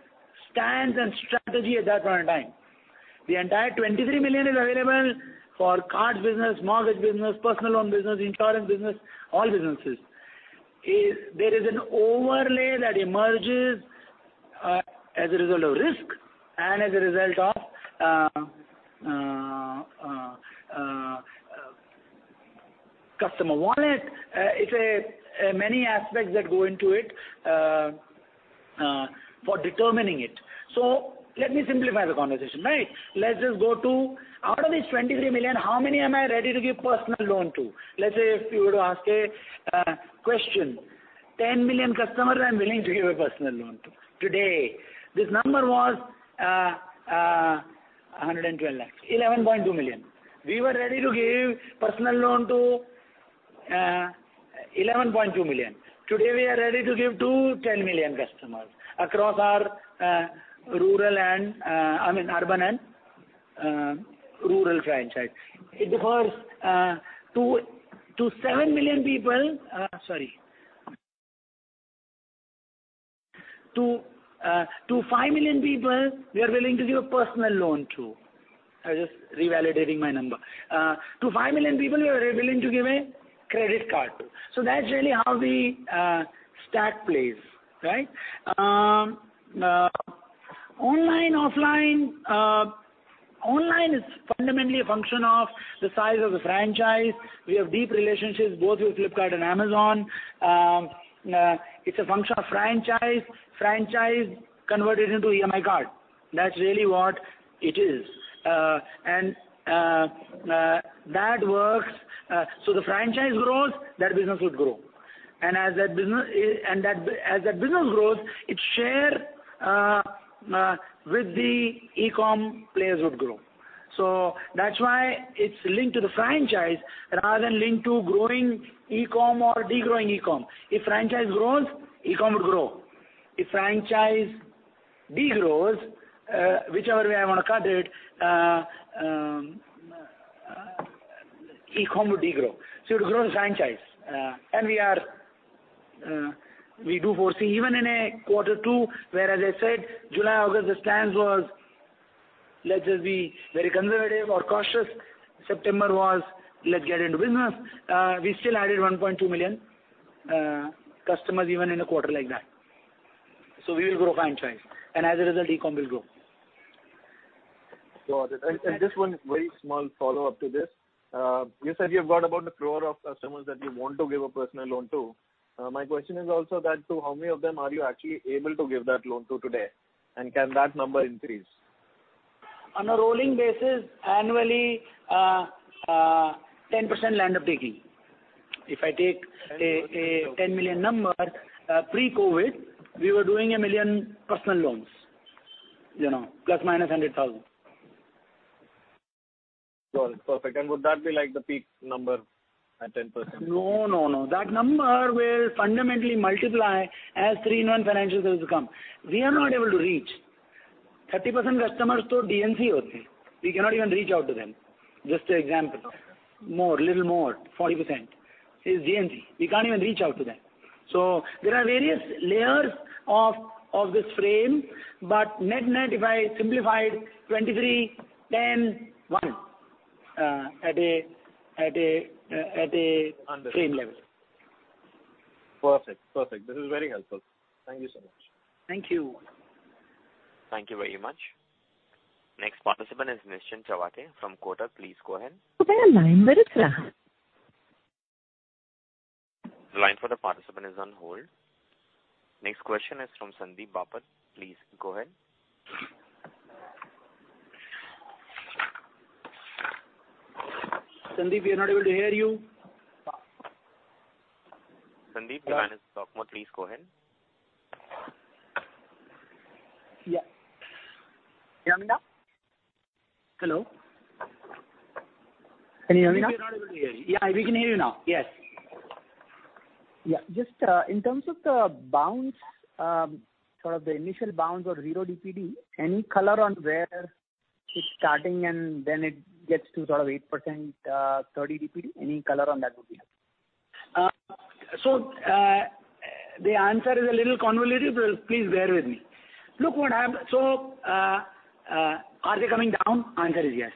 stance, and strategy at that point in time. The entire 23 million is available for cards business, mortgage business, personal loan business, insurance business, all businesses. There is an overlay that emerges as a result of risk and as a result of customer wallet. It's many aspects that go into it for determining it. Let me simplify the conversation. Let's just go to out of these 23 million, how many am I ready to give personal loan to? Let's say if you were to ask a question, 10 million customers I'm willing to give a personal loan to. Today, this number was 112 lakhs, 11.2 million. We were ready to give personal loan to 11.2 million. Today, we are ready to give to 10 million customers across our urban and rural franchise. To five million people, we are willing to give a personal loan to. I'm just revalidating my number. To five million people, we are willing to give a credit card to. That's really how the stat plays. Right? Online, offline. Online is fundamentally a function of the size of the franchise. We have deep relationships both with Flipkart and Amazon. It's a function of franchise. Franchise converted into EMI card. That's really what it is. The franchise grows, that business would grow. As that business grows, its share with the e-com players would grow. That's why it's linked to the franchise rather than linked to growing e-com or de-growing e-com. If franchise grows, e-com would grow. If franchise de-grows, whichever way I want to cut it, e-com would de-grow. You've to grow the franchise. We do foresee even in quarter two, where, as I said, July, August, the stance was "Let's just be very conservative or cautious." September was "Let's get into business." We still added 1.2 million customers even in a quarter like that. We will grow franchise, and as a result, e-com will grow. Got it. Just one very small follow-up to this. You said you've got about 1 crore of customers that you want to give a personal loan to. My question is also that to how many of them are you actually able to give that loan to today, and can that number increase? On a rolling basis annually, 10% land up taking. If I take a 10 million number, pre-COVID, we were doing one million personal loans. ±100,000. Sure. It's perfect. Would that be like the peak number at 10%? No. That number will fundamentally multiply as three in one financial services come. We are not able to reach. 30% customers are DNC. We cannot even reach out to them. Just an example. Little more, 40% is DNC. We can't even reach out to them. There are various layers of this frame, but net, if I simplify it, 23, 10, one at a frame level. Understood. Perfect. This is very helpful. Thank you so much. Thank you. Thank you very much. Next participant is Nishant Chavate from Kotak. Please go ahead. line. The line for the participant is on hold. Next question is from Sandeep Bapat. Please go ahead. Sandeep, we are not able to hear you. Sandeep, the line is open. Please go ahead. Yeah. You hear me now? Hello. Can you hear me now? We were not able to hear you. Yeah, we can hear you now. Yes. Just in terms of the initial bounce or zero DPD, any color on where it's starting and then it gets to sort of 8% 30 DPD? Any color on that would be helpful. The answer is a little convoluted, but please bear with me. Are they coming down? Answer is yes.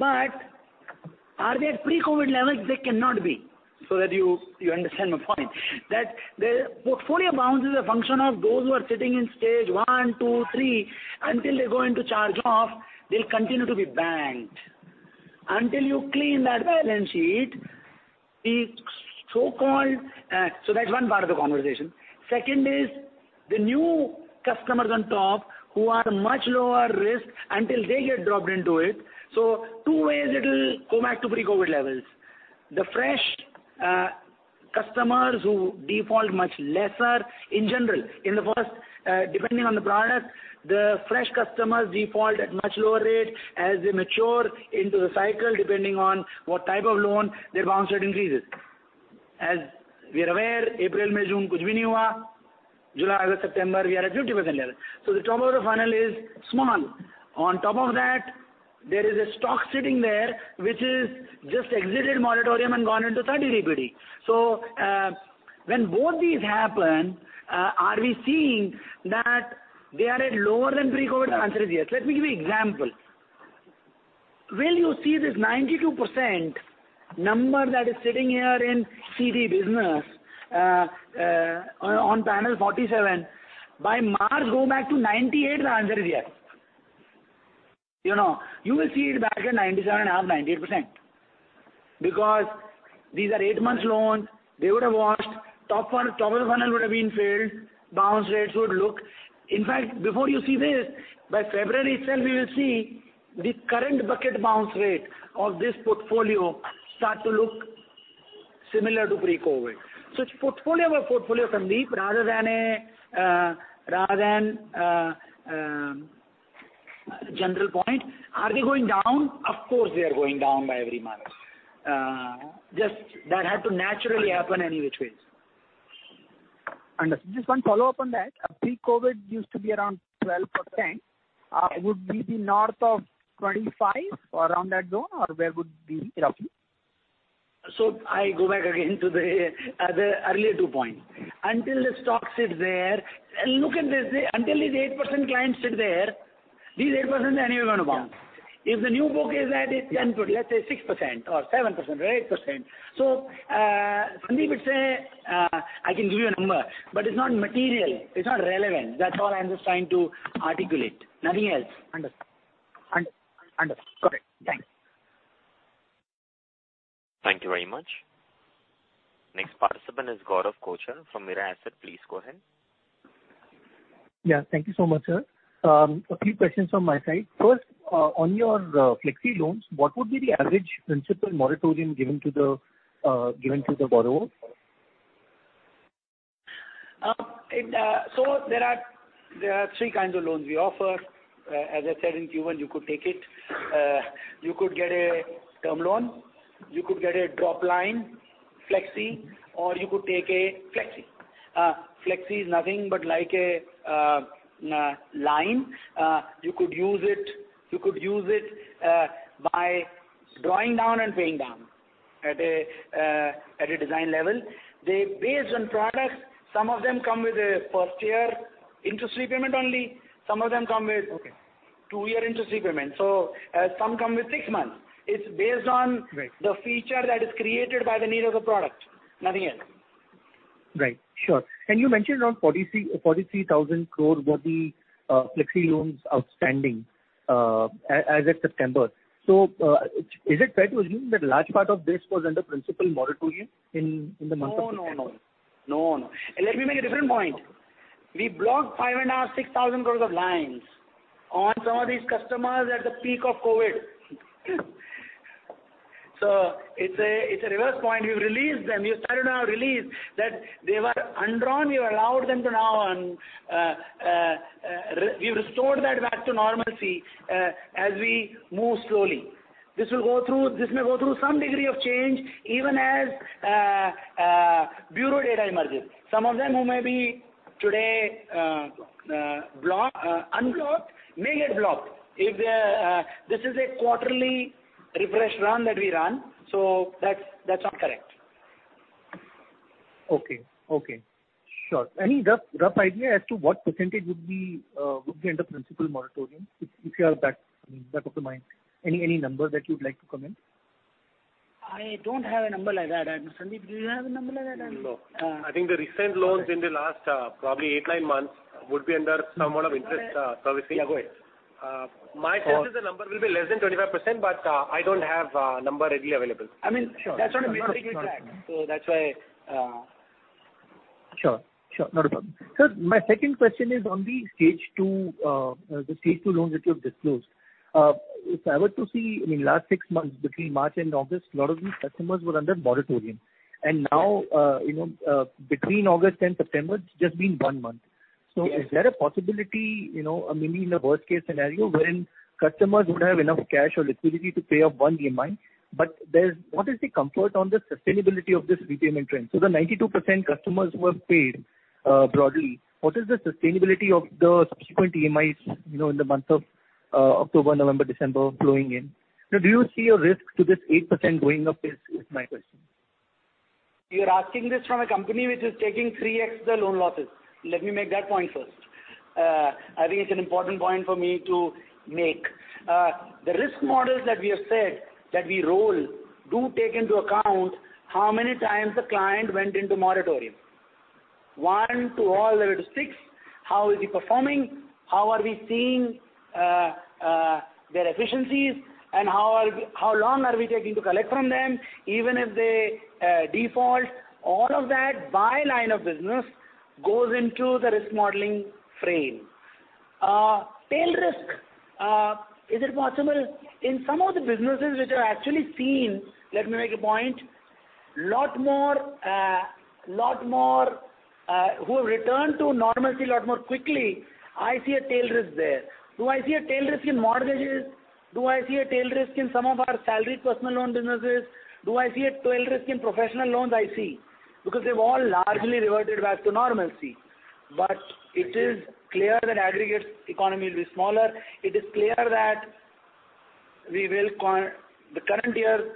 Are they at pre-COVID levels? They cannot be. That you understand my point, that the portfolio bounce is a function of those who are sitting in stage one, two, three. Until they go into charge off, they'll continue to be banked. Until you clean that balance sheet. That's one part of the conversation. Second is the new customers on top who are much lower risk until they get dropped into it. Two ways it'll go back to pre-COVID levels. The fresh customers who default much lesser in general. Depending on the product, the fresh customers default at much lower rate as they mature into the cycle depending on what type of loan their bounce rate increases. As we are aware, in April and May, nothing happened. July, August, September, we are at 50% level. The top of the funnel is small. On top of that, there is a stock sitting there which has just exited moratorium and gone into 30 DPD. When both these happen are we seeing that they are at lower than pre-COVID? The answer is yes. Let me give you example. Will you see this 92% number that is sitting here in CD business on panel 47 by March go back to 98? The answer is yes. You will see it back at 97.5, 98%. These are eight-month loans. They would have washed. Top of the funnel would have been filled. In fact, before you see this, by February itself, we will see the current bucket bounce rate of this portfolio start to look similar to pre-COVID. It's portfolio by portfolio, Sandeep, rather than a general point. Are they going down? Of course, they are going down by every measure. That had to naturally happen any which ways. Understood. Just one follow-up on that. Pre-COVID used to be around 12%. Would we be north of 25 or around that zone or where would be roughly? I go back again to the earlier two points. Until the stock sits there and look at this, until these 8% clients sit there, these 8% are anyway going to bounce. Yeah. If the new book is at, let's say 6% or 7% or 8%. Sandeep, I can give you a number, but it's not material, it's not relevant. That's all I'm just trying to articulate, nothing else. Understood. Got it. Thanks. Thank you very much. Next participant is Gaurav Kochar from Mirae Asset. Please go ahead. Yeah. Thank you so much, Sir. A few questions from my side. First, on your flexi loans, what would be the average principal moratorium given to the borrower? There are three kinds of loans we offer. As I said in Q1, you could take it. You could get a term loan, you could get a dropline flexi, or you could take a flexi. Flexi is nothing but like a line. You could use it by drawing down and paying down at a design level. Based on products, some of them come with a first-year interest-free payment only. Okay. Two-year interest-free payment. some come with six months. It's based on- Right. The feature that is created by the need of the product, nothing else. Right. Sure. You mentioned around 43,000 crore worth of flexi loans outstanding as at September. Is it fair to assume that a large part of this was under principal moratorium in the month of September? No. Let me make a different point. We blocked 5,500 crore, 6,000 crore of lines on some of these customers at the peak of COVID. It's a reverse point. We've released them. We have started our release that they were undrawn. We've restored that back to normalcy as we move slowly. This may go through some degree of change even as bureau data emerges. Some of them who may be today unblocked may get blocked. This is a quarterly refresh run that we run. That's not correct. Okay. Sure. Any rough idea as to what percentage would be under principal moratorium, if you have that top of mind? Any number that you'd like to comment? I don't have a number like that. Sandeep, do you have a number like that? No. I think the recent loans in the last probably eight, nine months would be under somewhat of interest servicing. Yeah, go ahead. My sense is the number will be less than 25%, but I don't have a number readily available. That's not a metric we track, so that's why. Sure. Not a problem. Sir, my second question is on the stage two loans that you have disclosed. If I were to see in last six months between March and August, a lot of these customers were under moratorium. Now between August and September, it's just been one month. Yes. Is there a possibility, maybe in a worst-case scenario wherein customers would have enough cash or liquidity to pay off one EMI, but what is the comfort on the sustainability of this repayment trend? The 92% customers who have paid broadly, what is the sustainability of the subsequent EMIs in the month of October, November, December flowing in? Do you see a risk to this 8% going up is my question. You're asking this from a company which is taking 3x the loan losses. Let me make that point first. I think it's an important point for me to make. The risk models that we have said that we roll do take into account how many times a client went into moratorium, one to all the way to six. How is he performing? How are we seeing their efficiencies and how long are we taking to collect from them, even if they default? All of that by line of business goes into the risk modeling frame. Tail risk. Is it possible in some of the businesses which are actually seen, let me make a point, who have returned to normalcy a lot more quickly, I see a tail risk there. Do I see a tail risk in mortgages? Do I see a tail risk in some of our salaried personal loan businesses? Do I see a tail risk in professional loans? I see, because they've all largely reverted back to normalcy. It is clear that aggregate economy will be smaller. It is clear that the current year,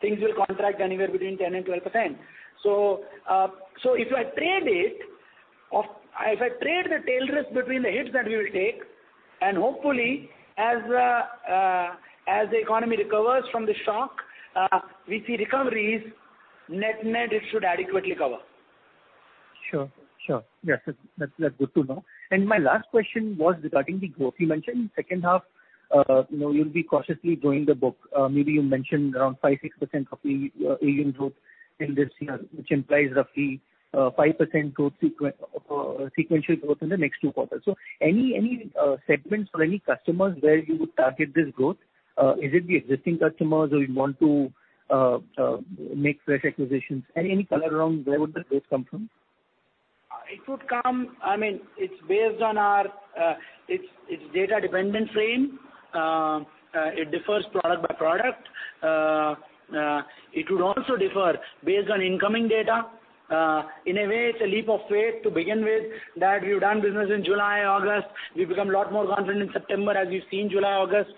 things will contract anywhere between 10% and 12%. If I trade the tail risk between the hits that we will take and hopefully as the economy recovers from the shock, we see recoveries, net it should adequately cover. Sure. Yes. That's good to know. My last question was regarding the growth. You mentioned in second half you'll be cautiously growing the book. Maybe you mentioned around 5%-6% of the AUM growth in this year, which implies roughly 5% sequential growth in the next two quarters. Any segments or any customers where you would target this growth? Is it the existing customers or you want to make fresh acquisitions? Any color around where would the growth come from? It's data dependent frame. It differs product by product. It would also differ based on incoming data. In a way, it's a leap of faith to begin with that we've done business in July, August. We've become a lot more confident in September as we've seen July, August.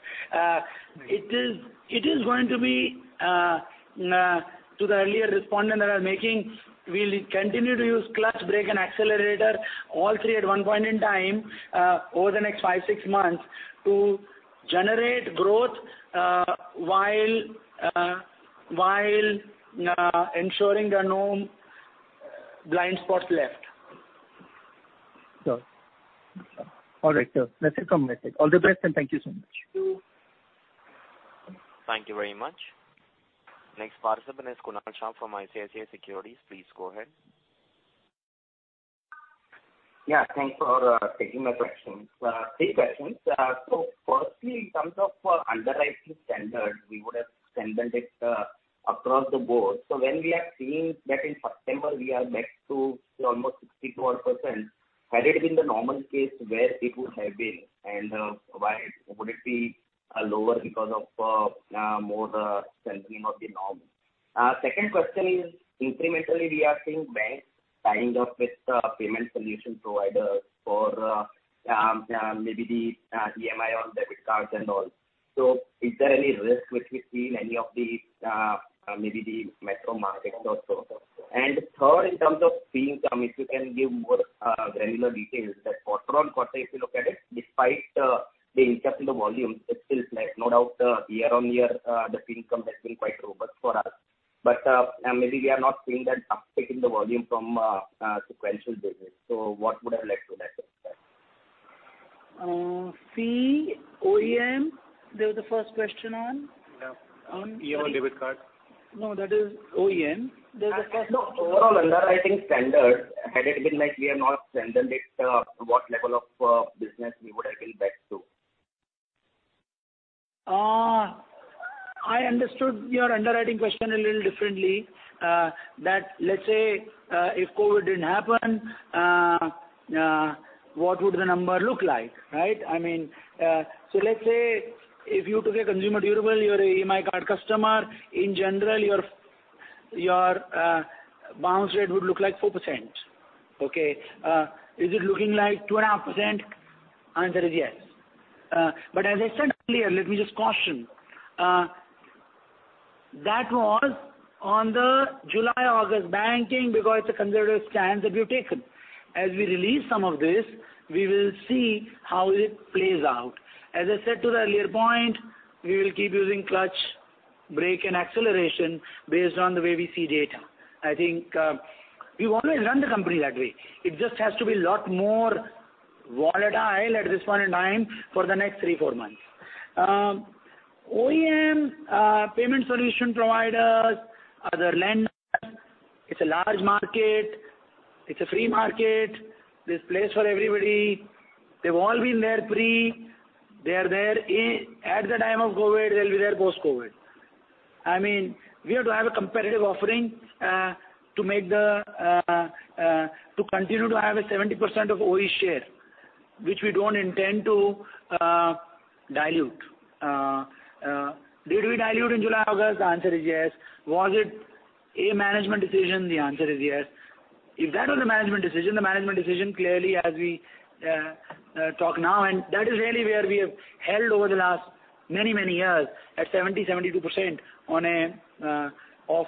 It is going to be to the earlier respondent that I'm making, we'll continue to use clutch, brake, and accelerator all three at one point in time over the next five, six months to generate growth while ensuring there are no blind spots left. Sure. All right, Sir. Message received. All the best and thank you so much. Thank you. Thank you very much. Next participant is Kuntal Shah from ICICI Securities. Please go ahead. Yeah, thanks for taking my questions. Three questions. Firstly, in terms of underwriting standards, we would have seen that across the board. When we are seeing that in September we are back to almost 62%, had it been the normal case where it would have been and why would it be lower because of more centering of the norm? Second question is incrementally we are seeing banks tying up with payment solution providers for maybe the EMI on debit cards and all. Is there any risk which we see in any of the maybe the metro markets or so? Third, in terms of fee income, if you can give more granular details that quarter-on-quarter, if you look at it, despite the increase in the volume, it's still flat. No doubt year-on-year the fee income has been quite robust for us. Maybe we are not seeing that uptick in the volume from sequential basis. What would have led to that, Sir? Fee, OEM. That was the first question on? Yeah. On? EMI debit card. No, that is OEM. No, overall underwriting standard, had it been like we are not [standard it], what level of business we would have been back to? I understood your underwriting question a little differently. That, let's say, if COVID didn't happen, what would the number look like, right? Let's say, if you took a consumer durable, you're a EMI card customer, in general, your bounce rate would look like 4%. Okay? Is it looking like 2.5%? Answer is yes. As I said earlier, let me just caution. That was on the July, August banking because it's a conservative stance that we've taken. As we release some of this, we will see how it plays out. As I said to the earlier point, we will keep using clutch, brake, and acceleration based on the way we see data. I think, we've always run the company that way. It just has to be a lot more volatile at this point in time for the next three, four months. OEM, payment solution providers, other lenders, it's a large market. It's a free market. There's place for everybody. They've all been there pre. They are there at the time of COVID, they'll be there post-COVID. We have to have a competitive offering, to continue to have a 70% of OE share, which we don't intend to dilute. Did we dilute in July, August? The answer is yes. Was it a management decision? The answer is yes. If that was a management decision, clearly, as we talk now, that is really where we have held over the last many, many years at 70%, 72% of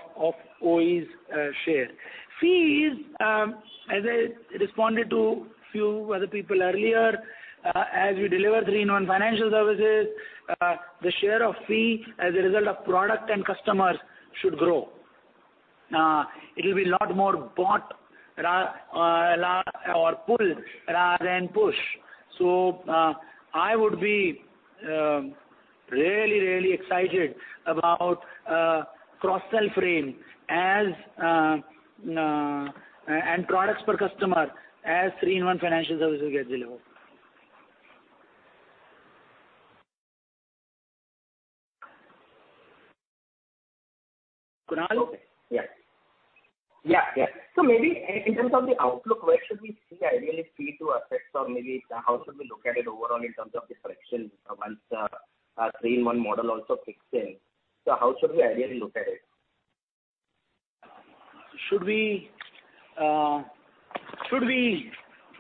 OE's share. Fees, as I responded to few other people earlier, as we deliver three-in-one financial services, the share of fee as a result of product and customers should grow. It'll be a lot more bought or pull rather than push. I would be really excited about cross-sell frame and products per customer as three in one financial services gets delivered. Kuntal? Okay. Yeah. Yeah. Maybe in terms of the outlook, where should we see ideally fee to assets or maybe how should we look at it overall in terms of this friction once our three in one model also kicks in? How should we ideally look at it?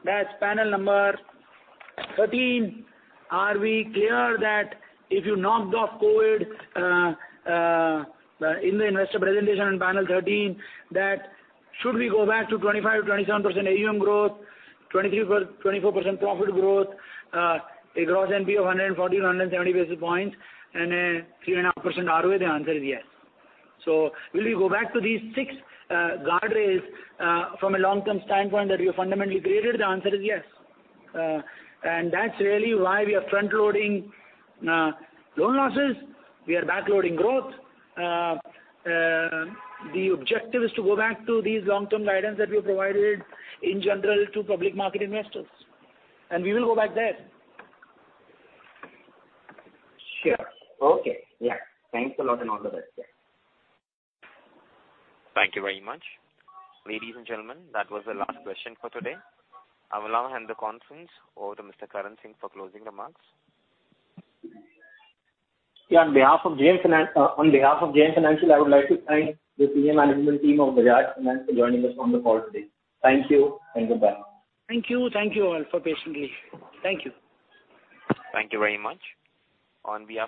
That's panel number 13. Are we clear that if you knocked off COVID, in the investor presentation on panel 13, that should we go back to 25%-27% AUM growth, 23%, 24% profit growth, a Gross NPA 140-170 basis points and a 3.5% ROA? The answer is yes. Will we go back to these six guardrails, from a long-term standpoint that we have fundamentally graded? The answer is yes. That's really why we are front-loading loan losses. We are back-loading growth. The objective is to go back to this long-term guidance that we have provided in general to public market investors. We will go back there. Sure. Okay. Yeah. Thanks a lot, and all the best. Yeah. Thank you very much. Ladies and gentlemen, that was the last question for today. I will now hand the conference over to Mr. Karan Singh for closing remarks. Yeah, on behalf of JM Financial, I would like to thank the senior management team of Bajaj Finance for joining us on the call today. Thank you and goodbye. Thank you. Thank you all for patiently. Thank you. Thank you very much. On behalf